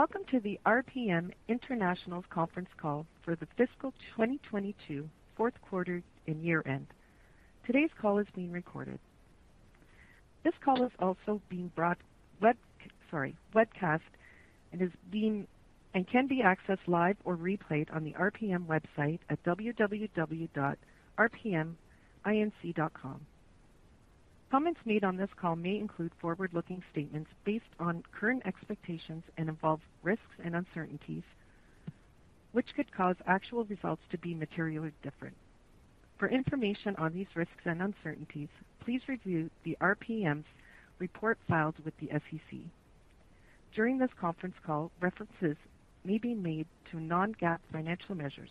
Welcome to RPM International's conference call for the fiscal 2022 Q4 and year-end. Today's call is being recorded. This call is also being webcast and can be accessed live or replayed on the RPM website at www.rpminc.com. Comments made on this call may include forward-looking statements based on current expectations and involve risks and uncertainties which could cause actual results to be materially different. For information on these risks and uncertainties, please review the RPM's reports filed with the SEC. During this conference call, references may be made to non-GAAP financial measures.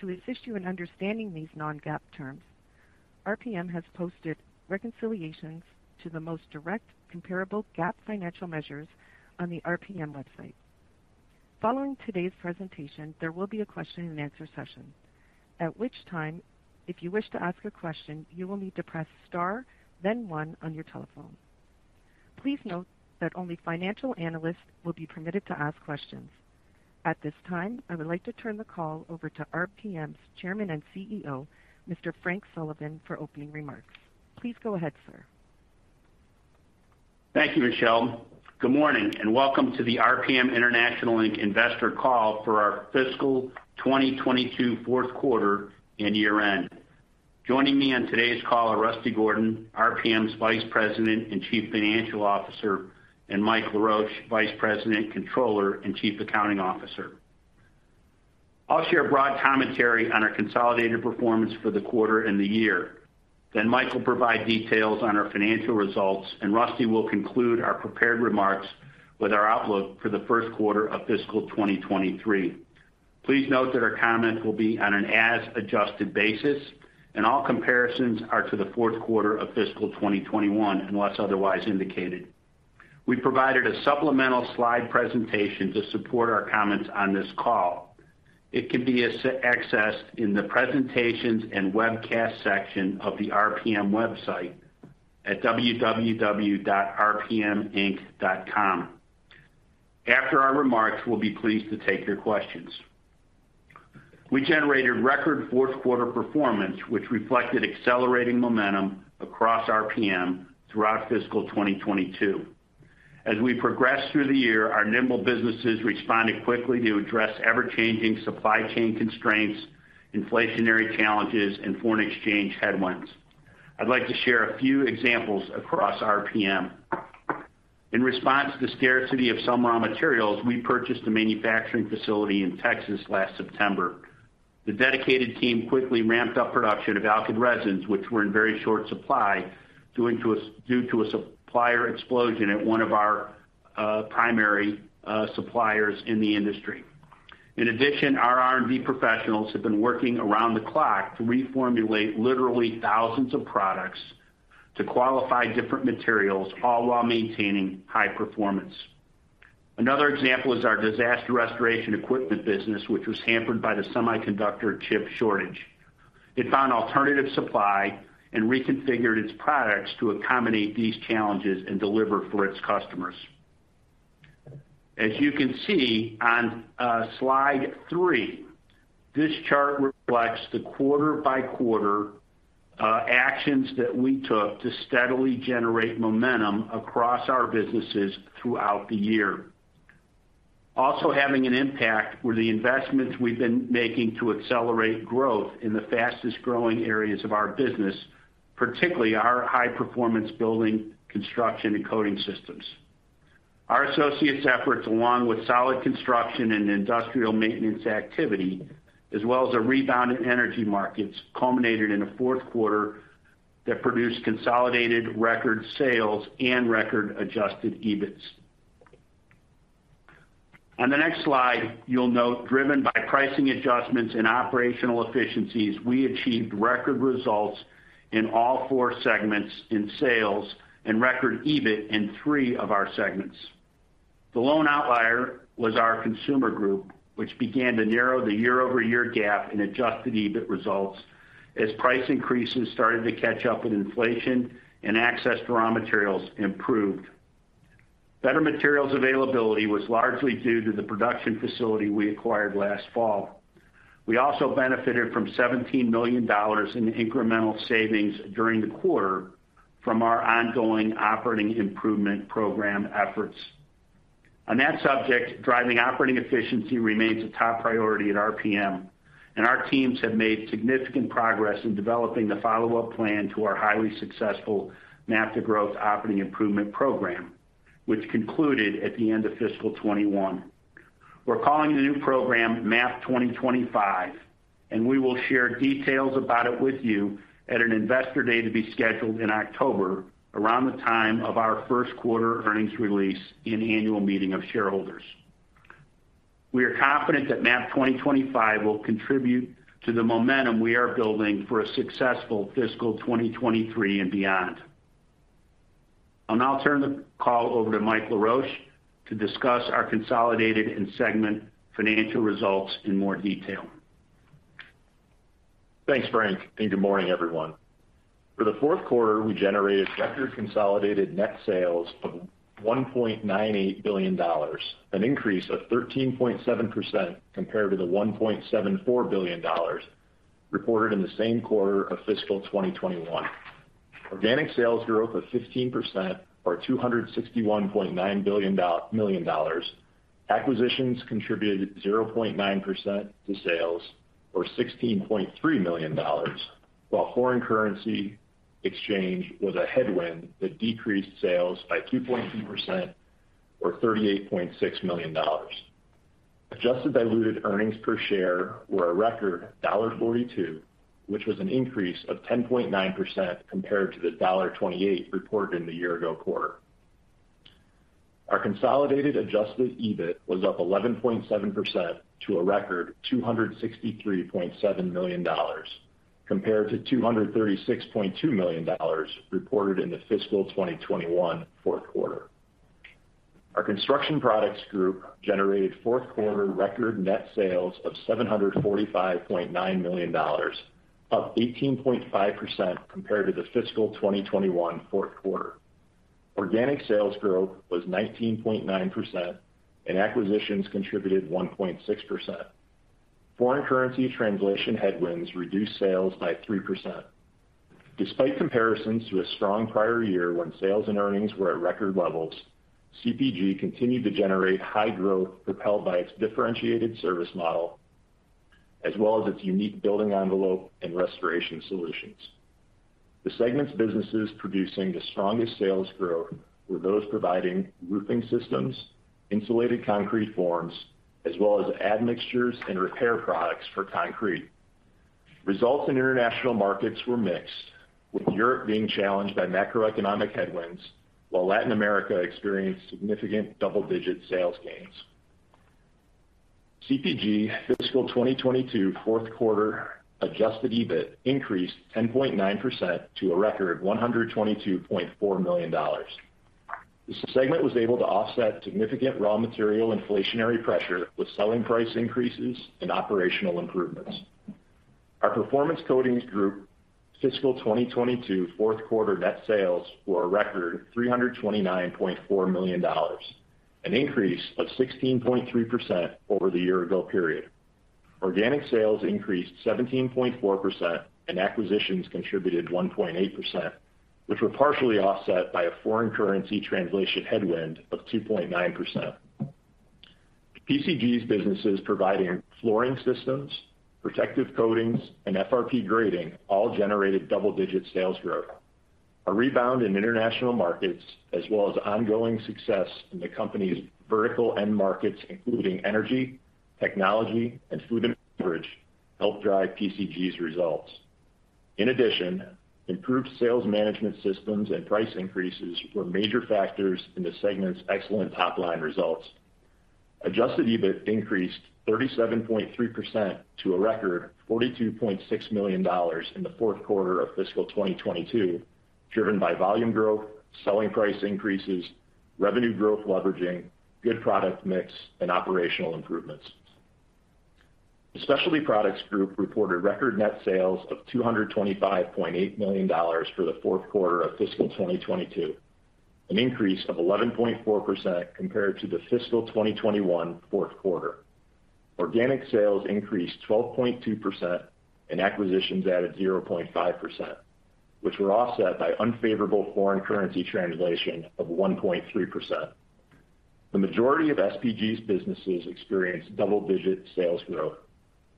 To assist you in understanding these non-GAAP terms, RPM has posted reconciliations to the most directly comparable GAAP financial measures on the RPM website. Following today's presentation, there will be a question-and-answer session, at which time, if you wish to ask a question, you will need to press Star, then one on your telephone. Please note that only financial analysts will be permitted to ask questions. At this time, I would like to turn the call over to RPM's Chairman and CEO, Mr. Frank Sullivan, for opening remarks. Please go ahead, sir. Thank you, Michelle. Good morning, and welcome to the RPM International Investor Call for our fiscal 2022 Q4 and year-end. Joining me on today's call are Rusty Gordon, RPM's Vice President and Chief Financial Officer, and Michael Laroche, Vice President, Controller, and Chief Accounting Officer. I'll share a broad commentary on our consolidated performance for the quarter and the year. Then Mike will provide details on our financial results, and Rusty will conclude our prepared remarks with our outlook for the Q1 of fiscal 2023. Please note that our comments will be on an as-adjusted basis, and all comparisons are to the Q4 of fiscal 2021 unless otherwise indicated. We provided a supplemental slide presentation to support our comments on this call. It can be accessed in the Presentations and Webcast section of the RPM website at www.rpminc.com. After our remarks, we'll be pleased to take your questions. We generated record Q4 performance, which reflected accelerating momentum across RPM throughout fiscal 2022. As we progressed through the year, our nimble businesses responded quickly to address ever-changing supply chain constraints, inflationary challenges, and foreign exchange headwinds. I'd like to share a few examples across RPM. In response to the scarcity of some raw materials, we purchased a manufacturing facility in Texas last September. The dedicated team quickly ramped up production of alkyd resins, which were in very short supply due to a supplier explosion at one of our primary suppliers in the industry. In addition, our R&D professionals have been working around the clock to reformulate literally thousands of products to qualify different materials, all while maintaining high performance. Another example is our disaster restoration equipment business, which was hampered by the semiconductor chip shortage. It found alternative supply and reconfigured its products to accommodate these challenges and deliver for its customers. As you can see on slide three, this chart reflects the quarter-by-quarter actions that we took to steadily generate momentum across our businesses throughout the year. Also having an impact were the investments we've been making to accelerate growth in the fastest-growing areas of our business, particularly our high-performance building, construction, and coating systems. Our associates' efforts, along with solid construction and industrial maintenance activity, as well as a rebound in energy markets, culminated in a Q4 that produced consolidated record sales and record adjusted EBITs. On the next slide, you'll note. Driven by pricing adjustments and operational efficiencies, we achieved record results in all four segments in sales and record EBIT in three of our segments. The lone outlier was our Consumer Group, which began to narrow the year-over-year gap in adjusted EBIT results as price increases started to catch up with inflation and access to raw materials improved. Better materials availability was largely due to the production facility we acquired last fall. We also benefited from $17 million in incremental savings during the quarter from our ongoing operating improvement program efforts. On that subject, driving operating efficiency remains a top priority at RPM, and our teams have made significant progress in developing the follow-up plan to our highly successful MAP to Growth Operating Improvement Program, which concluded at the end of fiscal 2021. We're calling the new program MAP 2025, and we will share details about it with you at an Investor Day to be scheduled in October around the time of our Q1 earnings release and annual meeting of shareholders. We are confident that MAP 2025 will contribute to the momentum we are building for a successful fiscal 2023 and beyond. I'll now turn the call over to Mike Laroche to discuss our consolidated and segment financial results in more detail. Thanks, Frank, and good morning, everyone. For the Q4, we generated record consolidated net sales of $1.98 billion, an increase of 13.7% compared to the $1.74 billion reported in the same quarter of fiscal 2021. Organic sales growth of 15% or $261.9 million. Acquisitions contributed 0.9% to sales or $16.3 million, while foreign currency exchange was a headwind that decreased sales by 2.2% or $38.6 million. Adjusted diluted earnings per share were a record $0.42, which was an increase of 10.9% compared to the $0.28 reported in the year-ago quarter. Our consolidated adjusted EBIT was up 11.7% to a record $263.7 million compared to $236.2 million reported in the fiscal 2021 Q4. Our Construction Products Group generated Q4 record net sales of $745.9 million, up 18.5% compared to the fiscal 2021 Q4. Organic sales growth was 19.9%, and acquisitions contributed 1.6%. Foreign currency translation headwinds reduced sales by 3%. Despite comparisons to a strong prior year when sales and earnings were at record levels, CPG continued to generate high growth propelled by its differentiated service model as well as its unique building envelope and restoration solutions. The segment's businesses producing the strongest sales growth were those providing roofing systems, insulated concrete forms, as well as admixtures and repair products for concrete. Results in international markets were mixed, with Europe being challenged by macroeconomic headwinds while Latin America experienced significant double-digit sales gains. CPG fiscal 2022 Q4 adjusted EBIT increased 10.9% to a record $122.4 million. The CPG segment was able to offset significant raw material inflationary pressure with selling price increases and operational improvements. Our Performance Coatings Group fiscal 2022 Q4 net sales were a record $329.4 million, an increase of 16.3% over the year ago period. Organic sales increased 17.4%, and acquisitions contributed 1.8%, which were partially offset by a foreign currency translation headwind of 2.9%. PCG's businesses providing flooring systems, protective coatings, and FRP grating all generated double-digit sales growth. A rebound in international markets, as well as ongoing success in the company's vertical end markets, including energy, technology, and food and beverage, helped drive PCG's results. In addition, improved sales management systems and price increases were major factors in the segment's excellent top-line results. Adjusted EBIT increased 37.3% to a record $42.6 million in the Q4 of fiscal 2022, driven by volume growth, selling price increases, revenue growth leveraging, good product mix, and operational improvements. The Specialty Products Group reported record net sales of $225.8 million for the Q4 of fiscal 2022, an increase of 11.4% compared to the fiscal 2021 Q4. Organic sales increased 12.2%, and acquisitions added 0.5%, which were offset by unfavorable foreign currency translation of 1.3%. The majority of SPG's businesses experienced double-digit sales growth.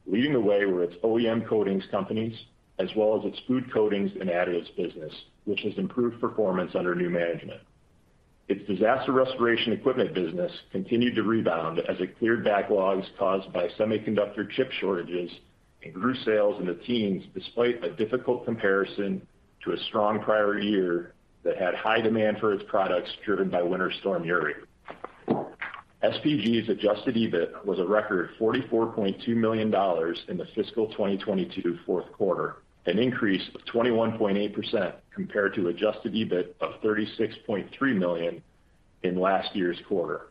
Leading the way were its OEM coatings companies as well as its food coatings and additives business, which has improved performance under new management. Its disaster restoration equipment business continued to rebound as it cleared backlogs caused by semiconductor chip shortages and grew sales in the teens despite a difficult comparison to a strong prior year that had high demand for its products driven by Winter Storm Uri. SPG's adjusted EBIT was a record $44.2 million in the fiscal 2022 Q4, an increase of 21.8% compared to adjusted EBIT of $36.3 million in last year's quarter.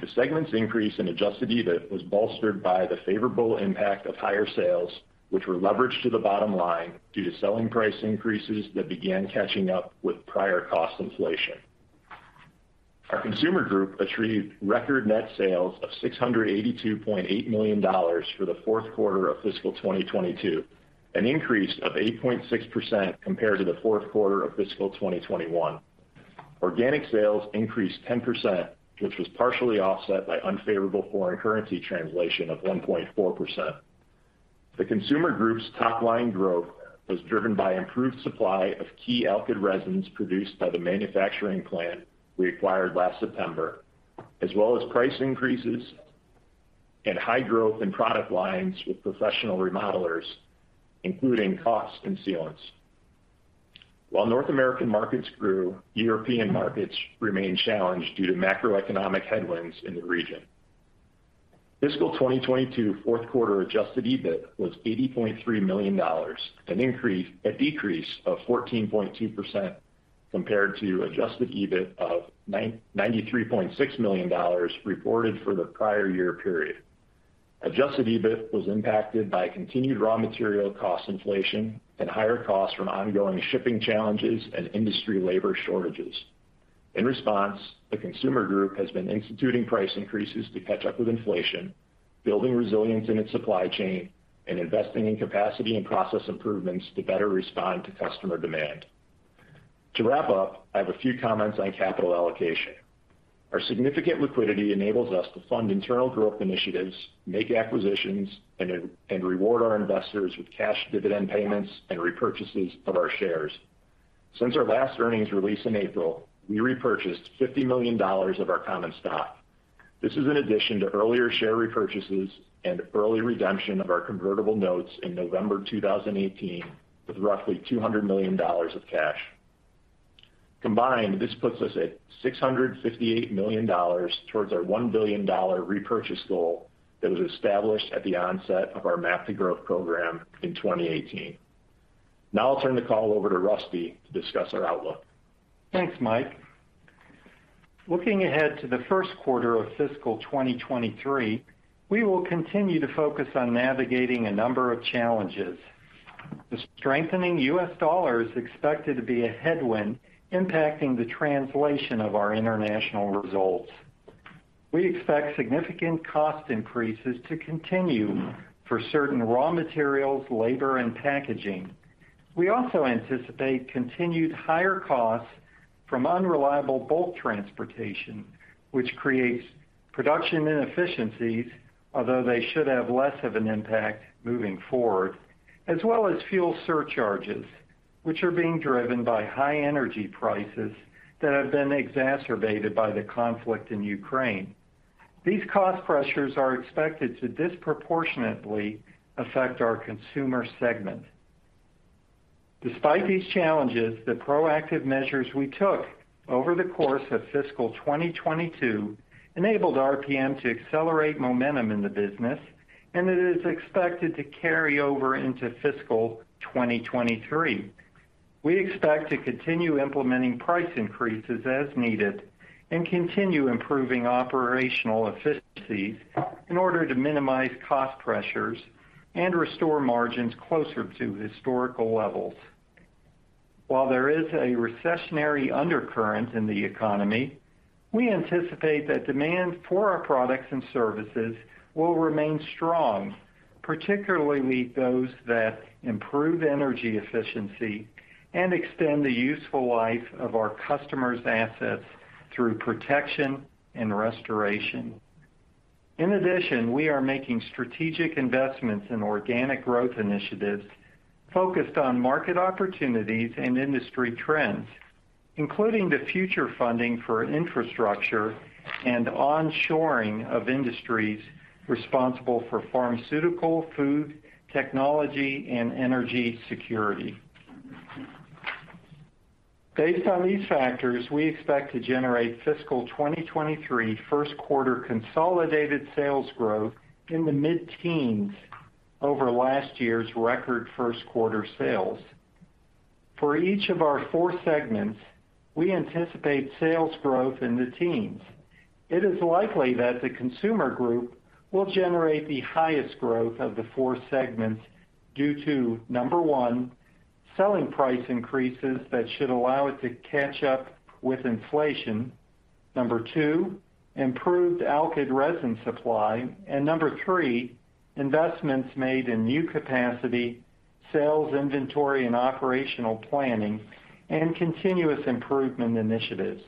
The segment's increase in adjusted EBIT was bolstered by the favorable impact of higher sales, which were leveraged to the bottom line due to selling price increases that began catching up with prior cost inflation. Our Consumer Group achieved record net sales of $682.8 million for the Q4 of fiscal 2022, an increase of 8.6% compared to the Q4 of fiscal 2021. Organic sales increased 10%, which was partially offset by unfavorable foreign currency translation of 1.4%. The Consumer Group's top-line growth was driven by improved supply of key alkyd resins produced by the manufacturing plant we acquired last September, as well as price increases and high growth in product lines with professional remodelers, including caulks and sealants. While North American markets grew, European markets remained challenged due to macroeconomic headwinds in the region. Fiscal 2022 Q4 adjusted EBIT was $80.3 million, a decrease of 14.2% compared to adjusted EBIT of $93.6 million reported for the prior year period. Adjusted EBIT was impacted by continued raw material cost inflation and higher costs from ongoing shipping challenges and industry labor shortages. In response, the Consumer Group has been instituting price increases to catch up with inflation, building resilience in its supply chain, and investing in capacity and process improvements to better respond to customer demand. To wrap up, I have a few comments on capital allocation. Our significant liquidity enables us to fund internal growth initiatives, make acquisitions, and reward our investors with cash dividend payments and repurchases of our shares. Since our last earnings release in April, we repurchased $50 million of our common stock. This is in addition to earlier share repurchases and early redemption of our convertible notes in November 2018, with roughly $200 million of cash. Combined, this puts us at $658 million towards our $1 billion repurchase goal that was established at the onset of our MAP to Growth program in 2018. Now I'll turn the call over to Rusty to discuss our outlook. Thanks, Mike. Looking ahead to the Q1 of fiscal 2023, we will continue to focus on navigating a number of challenges. The strengthening U.S. dollar is expected to be a headwind, impacting the translation of our international results. We expect significant cost increases to continue for certain raw materials, labor, and packaging. We also anticipate continued higher costs from unreliable bulk transportation, which creates production inefficiencies, although they should have less of an impact moving forward, as well as fuel surcharges, which are being driven by high energy prices that have been exacerbated by the conflict in Ukraine. These cost pressures are expected to disproportionately affect our consumer segment. Despite these challenges, the proactive measures we took over the course of fiscal 2022 enabled RPM to accelerate momentum in the business, and it is expected to carry over into fiscal 2023. We expect to continue implementing price increases as needed and continue improving operational efficiencies in order to minimize cost pressures and restore margins closer to historical levels. While there is a recessionary undercurrent in the economy, we anticipate that demand for our products and services will remain strong, particularly those that improve energy efficiency and extend the useful life of our customers' assets through protection and restoration. In addition, we are making strategic investments in organic growth initiatives focused on market opportunities and industry trends, including the future funding for infrastructure and onshoring of industries responsible for pharmaceutical, food, technology, and energy security. Based on these factors, we expect to generate fiscal 2023 Q1 consolidated sales growth in the mid-teens over last year's record Q1 sales. For each of our four segments, we anticipate sales growth in the teens. It is likely that the Consumer Group will generate the highest growth of the four segments due to, number one, selling price increases that should allow it to catch up with inflation, number two, improved alkyd resin supply, and number three, investments made in new capacity, sales inventory, and operational planning, and continuous improvement initiatives.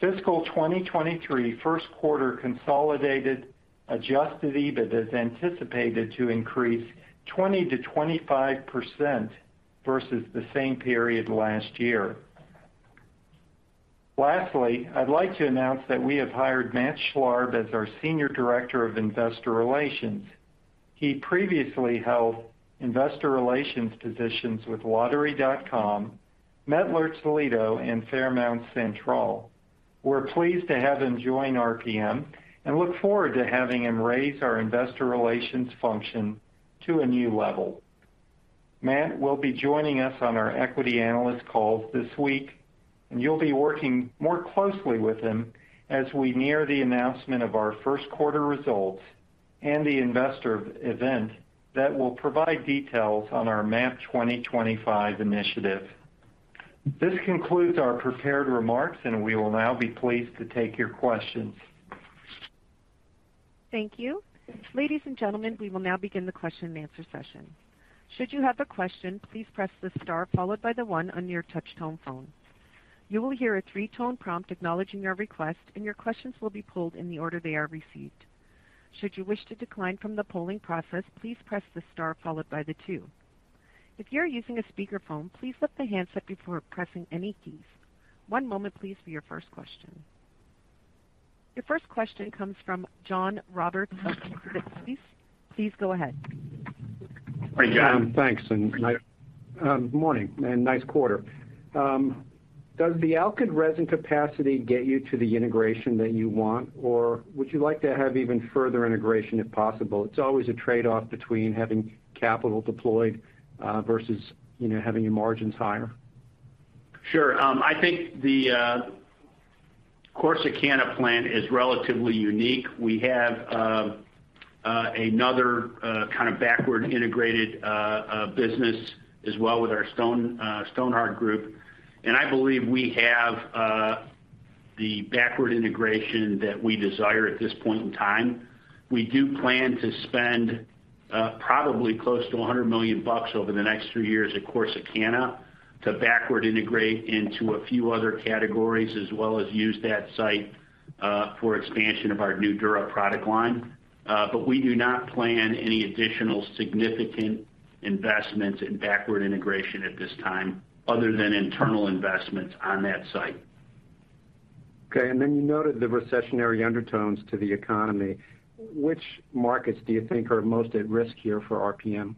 Fiscal 2023 Q1 consolidated adjusted EBIT is anticipated to increase 20%-25% versus the same period last year. Lastly, I'd like to announce that we have hired Matthew Schlarb as our Senior Director of Investor Relations. He previously held investor relations positions with Lottery.com, Mettler-Toledo, and Fairmount Santrol. We're pleased to have him join RPM and look forward to having him raise our investor relations function to a new level. Matt will be joining us on our equity analyst calls this week, and you'll be working more closely with him as we near the announcement of our Q1 results and the investor event that will provide details on our MAP 2025 initiative. This concludes our prepared remarks, and we will now be pleased to take your questions. Thank you. Ladies and gentlemen, we will now begin the question and answer session. Should you have a question, please press the star followed by the one on your touch tone phone. You will hear a three-tone prompt acknowledging your request, and your questions will be pulled in the order they are received. Should you wish to decline from the polling process, please press the star followed by the two. If you are using a speakerphone, please lift the handset before pressing any keys. One moment please for your first question. Your first question comes from John Roberts of Credit Suisse. Please go ahead. Hi, John. Thanks, and good night. Morning, and nice quarter. Does the alkyd resin capacity get you to the integration that you want? Or would you like to have even further integration if possible? It's always a trade-off between having capital deployed, versus, you know, having your margins higher. Sure. I think the Corsicana plant is relatively unique. We have another kind of backward integrated business as well with our Stonhard group, and I believe we have the backward integration that we desire at this point in time. We do plan to spend probably close to $100 million over the next three years at Corsicana to backward integrate into a few other categories as well as use that site for expansion of our Nudura product line. We do not plan any additional significant investments in backward integration at this time other than internal investments on that site. Okay. You noted the recessionary undertones to the economy. Which markets do you think are most at risk here for RPM?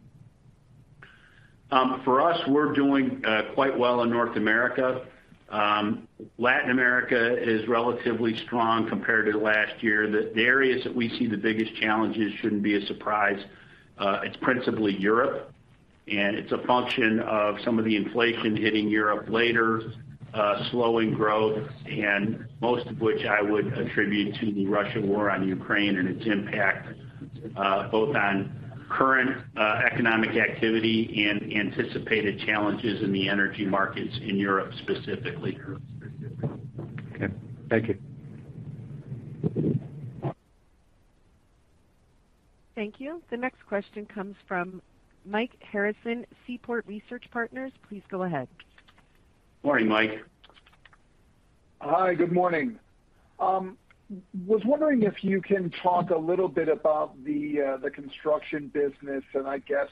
For us, we're doing quite well in North America. Latin America is relatively strong compared to last year. The areas that we see the biggest challenges shouldn't be a surprise. It's principally Europe, and it's a function of some of the inflation hitting Europe later, slowing growth, and most of which I would attribute to the Russian war on Ukraine and its impact, both on current economic activity and anticipated challenges in the energy markets in Europe specifically. Okay, thank you. Thank you. The next question comes from Mike Harrison, Seaport Research Partners. Please go ahead. Morning, Mike. Hi, good morning. Was wondering if you can talk a little bit about the construction business, and I guess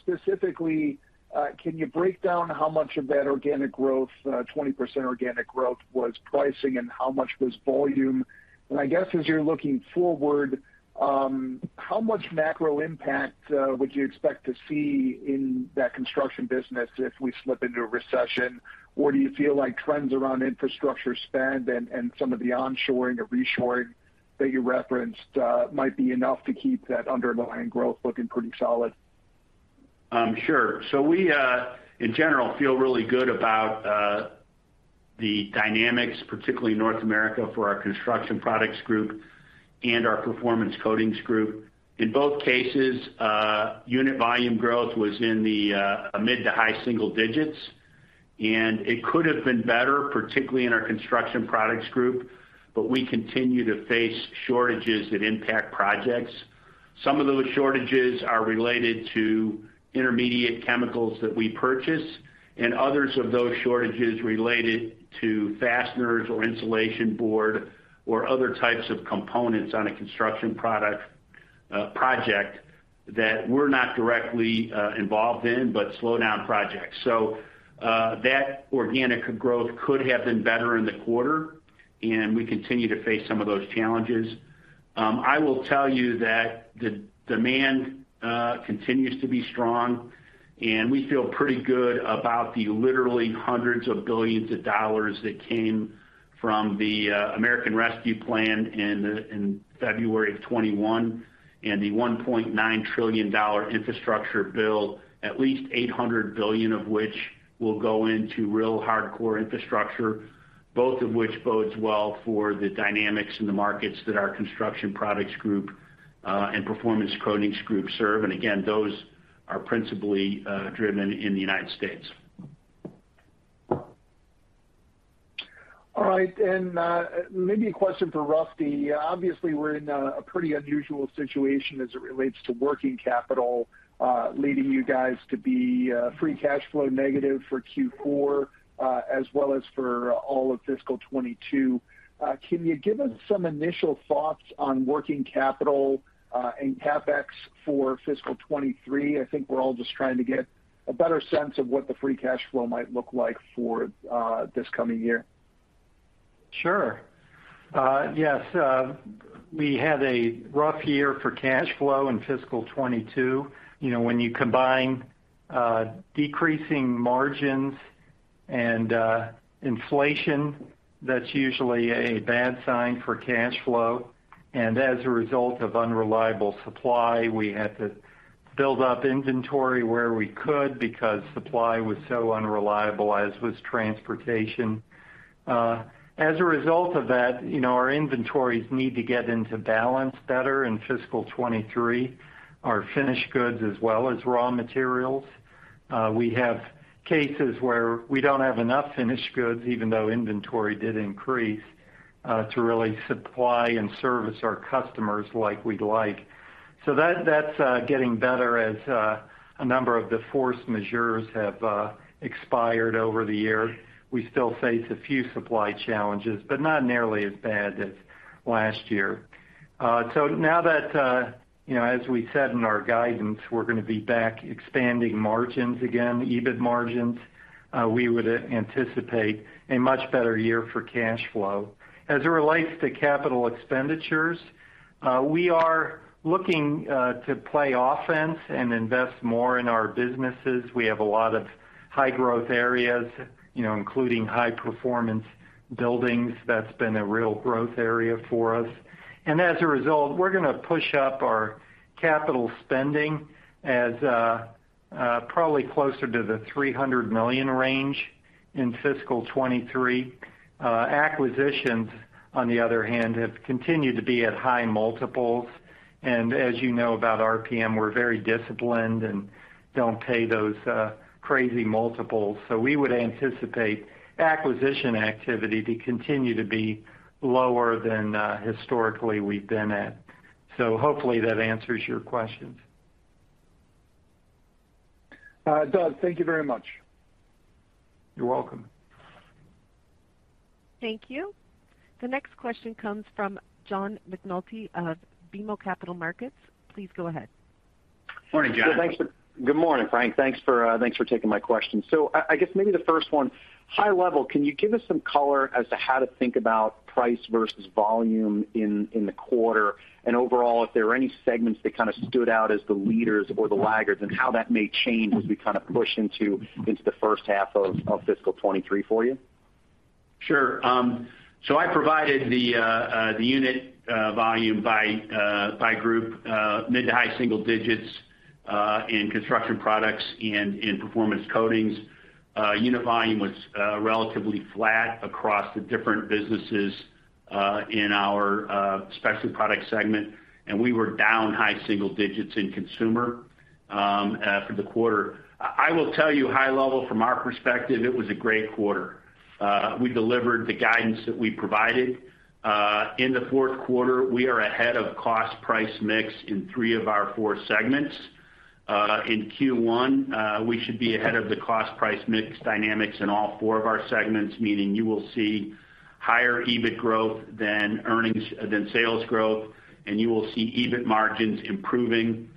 specifically, can you break down how much of that organic growth, 20% organic growth was pricing, and how much was volume? And I guess as you're looking forward, how much macro impact would you expect to see in that construction business if we slip into a recession? Or do you feel like trends around infrastructure spend and some of the onshoring or reshoring that you referenced might be enough to keep that underlying growth looking pretty solid? Sure. We in general feel really good about the dynamics, particularly in North America for our Construction Products Group and our Performance Coatings Group. In both cases, unit volume growth was in the mid to high single digits, and it could have been better, particularly in our Construction Products Group, but we continue to face shortages that impact projects. Some of those shortages are related to intermediate chemicals that we purchase, and others of those shortages related to fasteners or insulation board or other types of components on a construction project that we're not directly involved in, but slow down projects. That organic growth could have been better in the quarter, and we continue to face some of those challenges. I will tell you that the demand continues to be strong, and we feel pretty good about the literally hundreds of billions of dollars that came from the American Rescue Plan in February of 2021 and the $1.9 trillion infrastructure bill, at least $800 billion of which will go into real hardcore infrastructure, both of which bodes well for the dynamics in the markets that our Construction Products Group and Performance Coatings Group serve. Again, those are principally driven in the United States. All right. Maybe a question for Rusty. Obviously, we're in a pretty unusual situation as it relates to working capital, leading you guys to be free cash flow negative for Q4, as well as for all of fiscal 2022. Can you give us some initial thoughts on working capital and CapEx for fiscal 2023? I think we're all just trying to get a better sense of what the free cash flow might look like for this coming year. Sure. Yes, we had a rough year for cash flow in fiscal 2022. You know, when you combine decreasing margins and inflation, that's usually a bad sign for cash flow. As a result of unreliable supply, we had to build up inventory where we could because supply was so unreliable, as was transportation. As a result of that, you know, our inventories need to get into balance better in fiscal 2023, our finished goods as well as raw materials. We have cases where we don't have enough finished goods, even though inventory did increase to really supply and service our customers like we'd like. That's getting better as a number of the force majeure have expired over the year. We still face a few supply challenges, but not nearly as bad as last year. Now that, you know, as we said in our guidance, we're gonna be back expanding margins again, EBIT margins, we would anticipate a much better year for cash flow. As it relates to capital expenditures, we are looking to play offense and invest more in our businesses. We have a lot of high growth areas, you know, including high performance buildings. That's been a real growth area for us. As a result, we're gonna push up our capital spending as probably closer to the $300 million range in fiscal 2023. Acquisitions, on the other hand, have continued to be at high multiples. As you know about RPM, we're very disciplined and don't pay those crazy multiples. We would anticipate acquisition activity to continue to be lower than historically we've been at. Hopefully that answers your questions. It does. Thank you very much. You're welcome. Thank you. The next question comes from John McNulty of BMO Capital Markets. Please go ahead. Morning, John. So thanks for...Good morning, Frank. Thanks for taking my question. I guess maybe the first one, high level, can you give us some color as to how to think about price versus volume in the quarter? Overall, if there are any segments that kind of stood out as the leaders or the laggards, and how that may change as we kind of push into the H1 of fiscal 2023 for you? Sure. I provided the unit volume by group, mid- to high-single-digit % in Construction Products and in Performance Coatings. Unit volume was relatively flat across the different businesses in our Specialty Products segment, and we were down high-single-digit in Consumer for the quarter. I will tell you high-level from our perspective, it was a great quarter. We delivered the guidance that we provided. In the Q4, we are ahead of cost price mix in three of our four segments. In Q1, we should be ahead of the cost price mix dynamics in all four of our segments, meaning you will see higher EBIT growth than sales growth, and you will see EBIT margins improving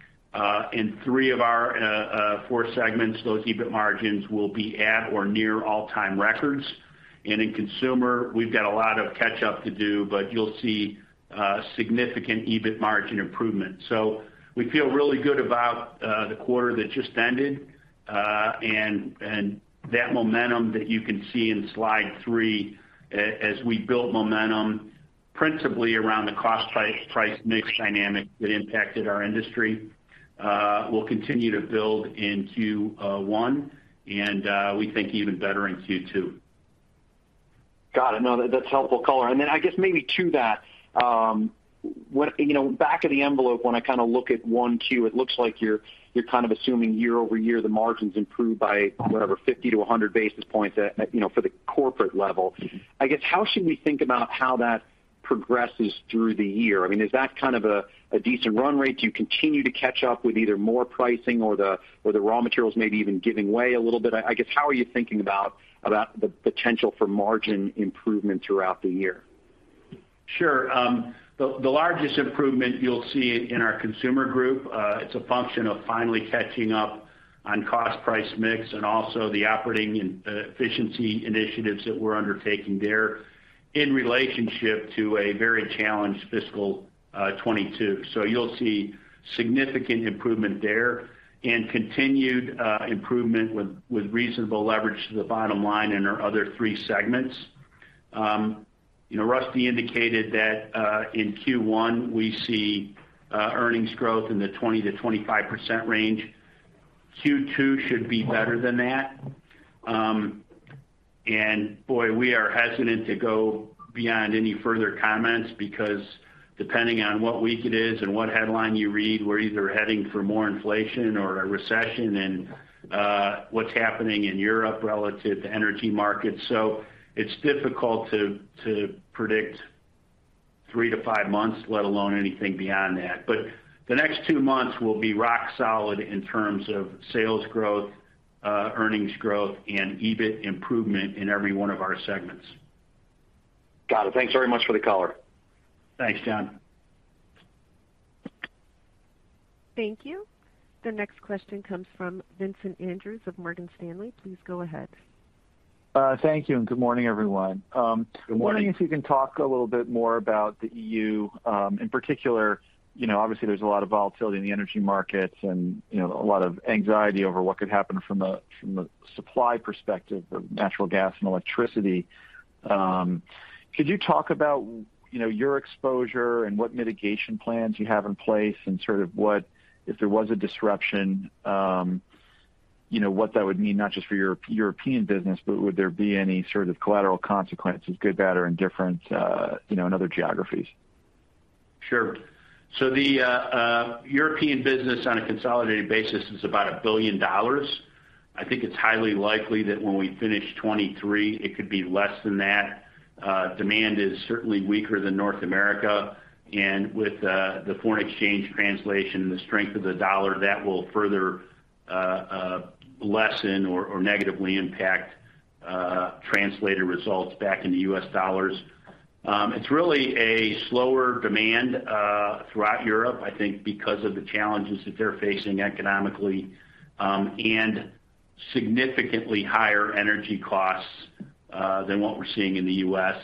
in three of our four segments. Those EBIT margins will be at or near all-time records. In consumer, we've got a lot of catch-up to do, but you'll see significant EBIT margin improvement. We feel really good about the quarter that just ended, and that momentum that you can see in slide three as we built momentum principally around the cost price mix dynamic that impacted our industry will continue to build in Q1, and we think even better in Q2. Got it. No, that's helpful color. I guess maybe to that, you know, back of the envelope, when I kinda look at 1Q, it looks like you're kind of assuming year-over-year the margins improve by whatever 50 basis point-100 basis points, you know, for the corporate level. I guess, how should we think about how that progresses through the year? I mean, is that kind of a decent run rate? Do you continue to catch up with either more pricing or the raw materials maybe even giving way a little bit? I guess, how are you thinking about the potential for margin improvement throughout the year? Sure. The largest improvement you'll see in our Consumer Group, it's a function of finally catching up on cost price mix and also the operating and efficiency initiatives that we're undertaking there in relationship to a very challenged fiscal 2022. You'll see significant improvement there and continued improvement with reasonable leverage to the bottom line in our other three segments. You know, Rusty indicated that in Q1, we see earnings growth in the 20%-25% range. Q2 should be better than that. Boy, we are hesitant to go beyond any further comments because depending on what week it is and what headline you read, we're either heading for more inflation or a recession and what's happening in Europe relative to energy markets. It's difficult to predict 3 months-5 months, let alone anything beyond that. The next two months will be rock solid in terms of sales growth, earnings growth, and EBIT improvement in every one of our segments. Got it. Thanks very much for the color. Thanks, John. Thank you. The next question comes from Vincent Andrews of Morgan Stanley. Please go ahead. Thank you, and good morning, everyone. Good morning. I'm wondering if you can talk a little bit more about the E.U. in particular. You know, obviously, there's a lot of volatility in the energy markets and, you know, a lot of anxiety over what could happen from a supply perspective of natural gas and electricity. Could you talk about, you know, your exposure and what mitigation plans you have in place and sort of what, if there was a disruption, you know, what that would mean, not just for your European business, but would there be any sort of collateral consequences, good, bad, or indifferent, you know, in other geographies? Sure. The European business on a consolidated basis is about $1 billion. I think it's highly likely that when we finish 2023, it could be less than that. Demand is certainly weaker than North America. With the foreign exchange translation and the strength of the dollar, that will further lessen or negatively impact translated results back into U.S. dollars. It's really a slower demand throughout Europe, I think because of the challenges that they're facing economically, and significantly higher energy costs than what we're seeing in the U.S.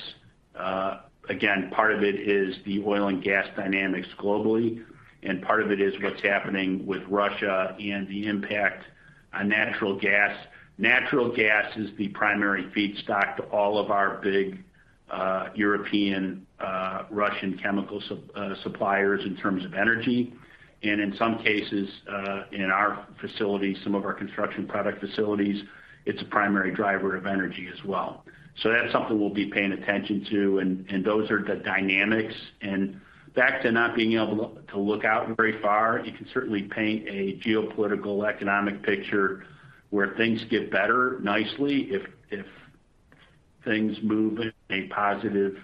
Again, part of it is the oil and gas dynamics globally, and part of it is what's happening with Russia and the impact on natural gas. Natural gas is the primary feedstock to all of our big European Russian chemical suppliers in terms of energy. In some cases, in our facilities, some of our construction product facilities, it's a primary driver of energy as well. That's something we'll be paying attention to, and those are the dynamics. Back to not being able to look out very far, you can certainly paint a geopolitical economic picture where things get better nicely if things move in a positive,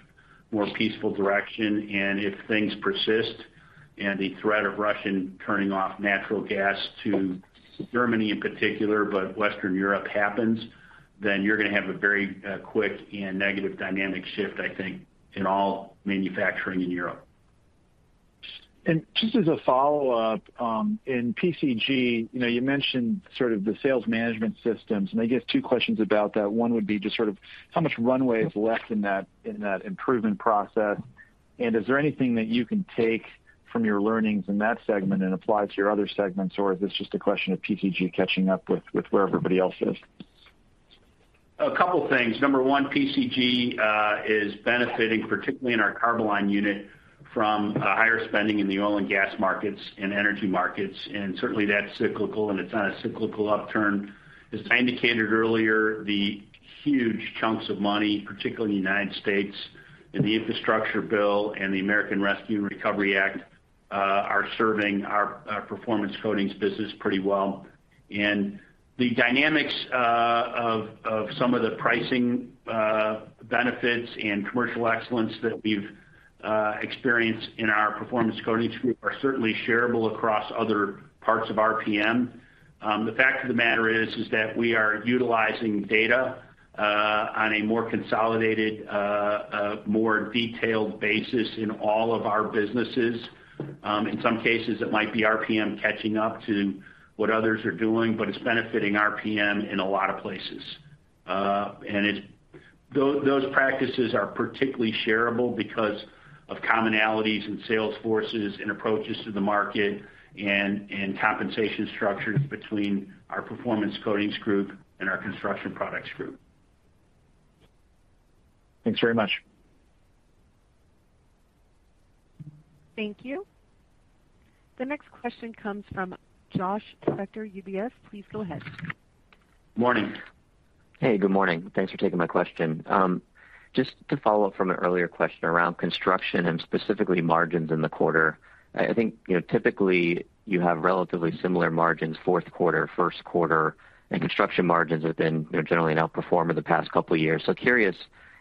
more peaceful direction. If things persist, and the threat of Russian turning off natural gas to Germany in particular, but Western Europe happens, then you're gonna have a very quick and negative dynamic shift, I think, in all manufacturing in Europe. Just as a follow-up, in PCG, you know, you mentioned sort of the sales management systems, and I guess two questions about that. One would be just sort of how much runway is left in that improvement process, and is there anything that you can take from your learnings in that segment and apply to your other segments, or is this just a question of PCG catching up with where everybody else is? A couple things. Number one, PCG is benefiting, particularly in our Carboline unit, from higher spending in the oil and gas markets and energy markets, and certainly that's cyclical, and it's on a cyclical upturn. As I indicated earlier, the huge chunks of money, particularly in the United States in the infrastructure bill and the American Rescue Plan Act, are serving our performance coatings business pretty well. The dynamics of some of the pricing benefits and commercial excellence that we've experienced in our Performance Coatings Group are certainly shareable across other parts of RPM. The fact of the matter is that we are utilizing data on a more consolidated, more detailed basis in all of our businesses. In some cases, it might be RPM catching up to what others are doing, but it's benefiting RPM in a lot of places. Those practices are particularly shareable because of commonalities in sales forces, in approaches to the market and compensation structures between our Performance Coatings Group and our Construction Products Group. Thanks very much. Thank you. The next question comes from Josh Spector, UBS. Please go ahead. Morning. Hey, good morning. Thanks for taking my question. Just to follow up from an earlier question around construction and specifically margins in the quarter. I think, you know, typically you have relatively similar margins, Q4, Q1, and construction margins have been, you know, generally an outperformer the past couple of years. Curious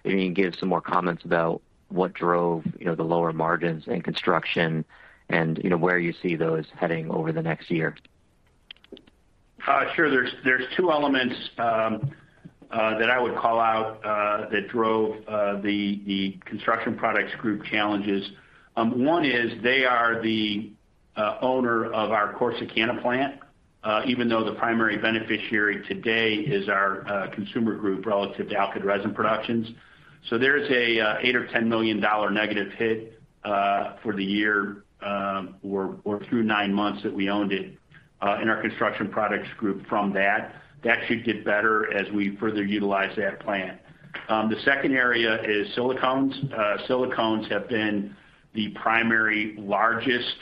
if you can give some more comments about what drove, you know, the lower margins in construction and, you know, where you see those heading over the next year. Sure. There's two elements that I would call out that drove the Construction Products Group challenges. One is they are the owner of our Corsicana plant, even though the primary beneficiary today is our Consumer Group relative to Alkyd Resin Productions. There is a $8 million or $10 million negative hit for the year, or through nine months that we owned it, in our Construction Products Group from that. That should get better as we further utilize that plant. The second area is silicones. Silicones have been the primary largest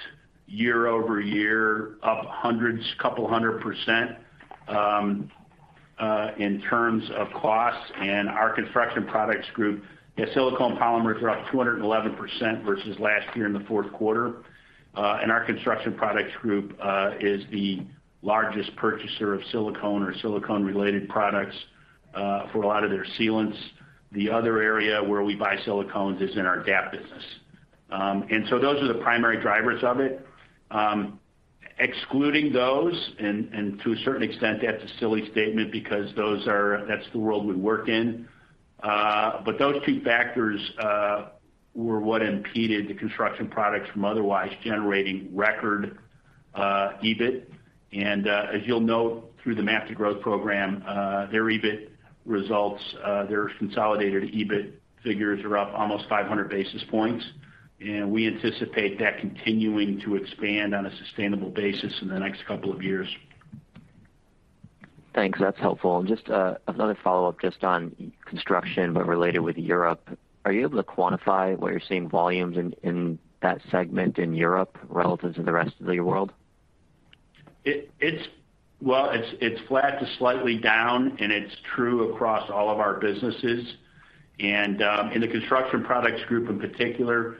year-over-year up hundreds, couple 100%, in terms of costs. Our Construction Products Group, silicone polymers are up 211% versus last year in the Q4. Our Construction Products Group is the largest purchaser of silicone or silicone-related products for a lot of their sealants. The other area where we buy silicones is in our DAP business. Those are the primary drivers of it. Excluding those, and to a certain extent, that's a silly statement because that's the world we work in. Those two factors were what impeded the Construction Products Group from otherwise generating record EBIT. As you'll note through the Map to Growth program, their EBIT results, their consolidated EBIT figures are up almost 500 basis points. We anticipate that continuing to expand on a sustainable basis in the next couple of years. Thanks. That's helpful. Just another follow-up just on construction, but related with Europe. Are you able to quantify what you're seeing volumes in that segment in Europe relative to the rest of the world? Well, it's flat to slightly down, and it's true across all of our businesses. In the Construction Products Group in particular,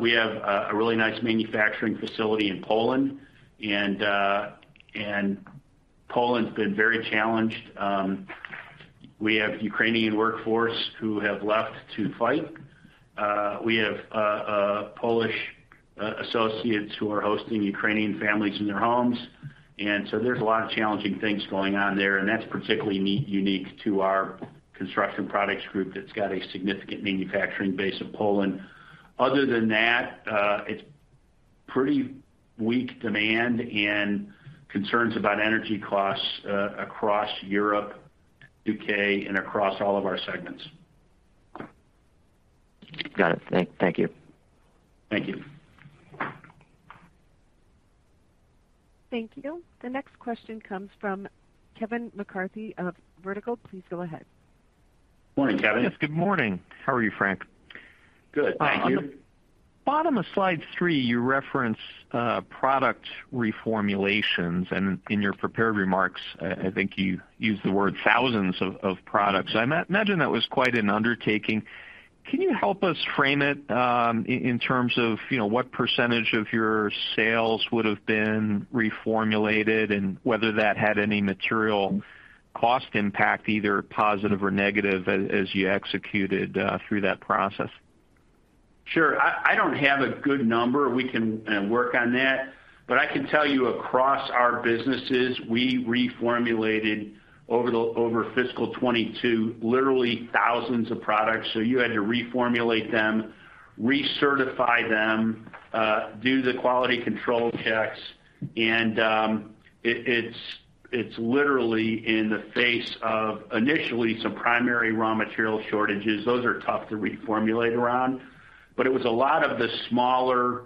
we have a really nice manufacturing facility in Poland, and Poland's been very challenged. We have Ukrainian workforce who have left to fight. We have Polish associates who are hosting Ukrainian families in their homes. There's a lot of challenging things going on there, and that's particularly unique to our Construction Products Group that's got a significant manufacturing base in Poland. Other than that, it's pretty weak demand and concerns about energy costs across Europe, U.K., and across all of our segments. Got it. Thank you. Thank you. Thank you. The next question comes from Kevin McCarthy of Vertical. Please go ahead. Morning, Kevin. Yes, good morning. How are you, Frank? Good. How are you? Bottom of slide three, you reference product reformulations, and in your prepared remarks, I think you used the word thousands of products. I imagine that was quite an undertaking. Can you help us frame it, in terms of, you know, what percentage of your sales would have been reformulated and whether that had any material cost impact, either positive or negative, as you executed through that process? Sure. I don't have a good number. We can work on that. I can tell you across our businesses, we reformulated over fiscal 2022, literally thousands of products. You had to reformulate them, recertify them, do the quality control checks. It's literally in the face of initially some primary raw material shortages. Those are tough to reformulate around. It was a lot of the smaller,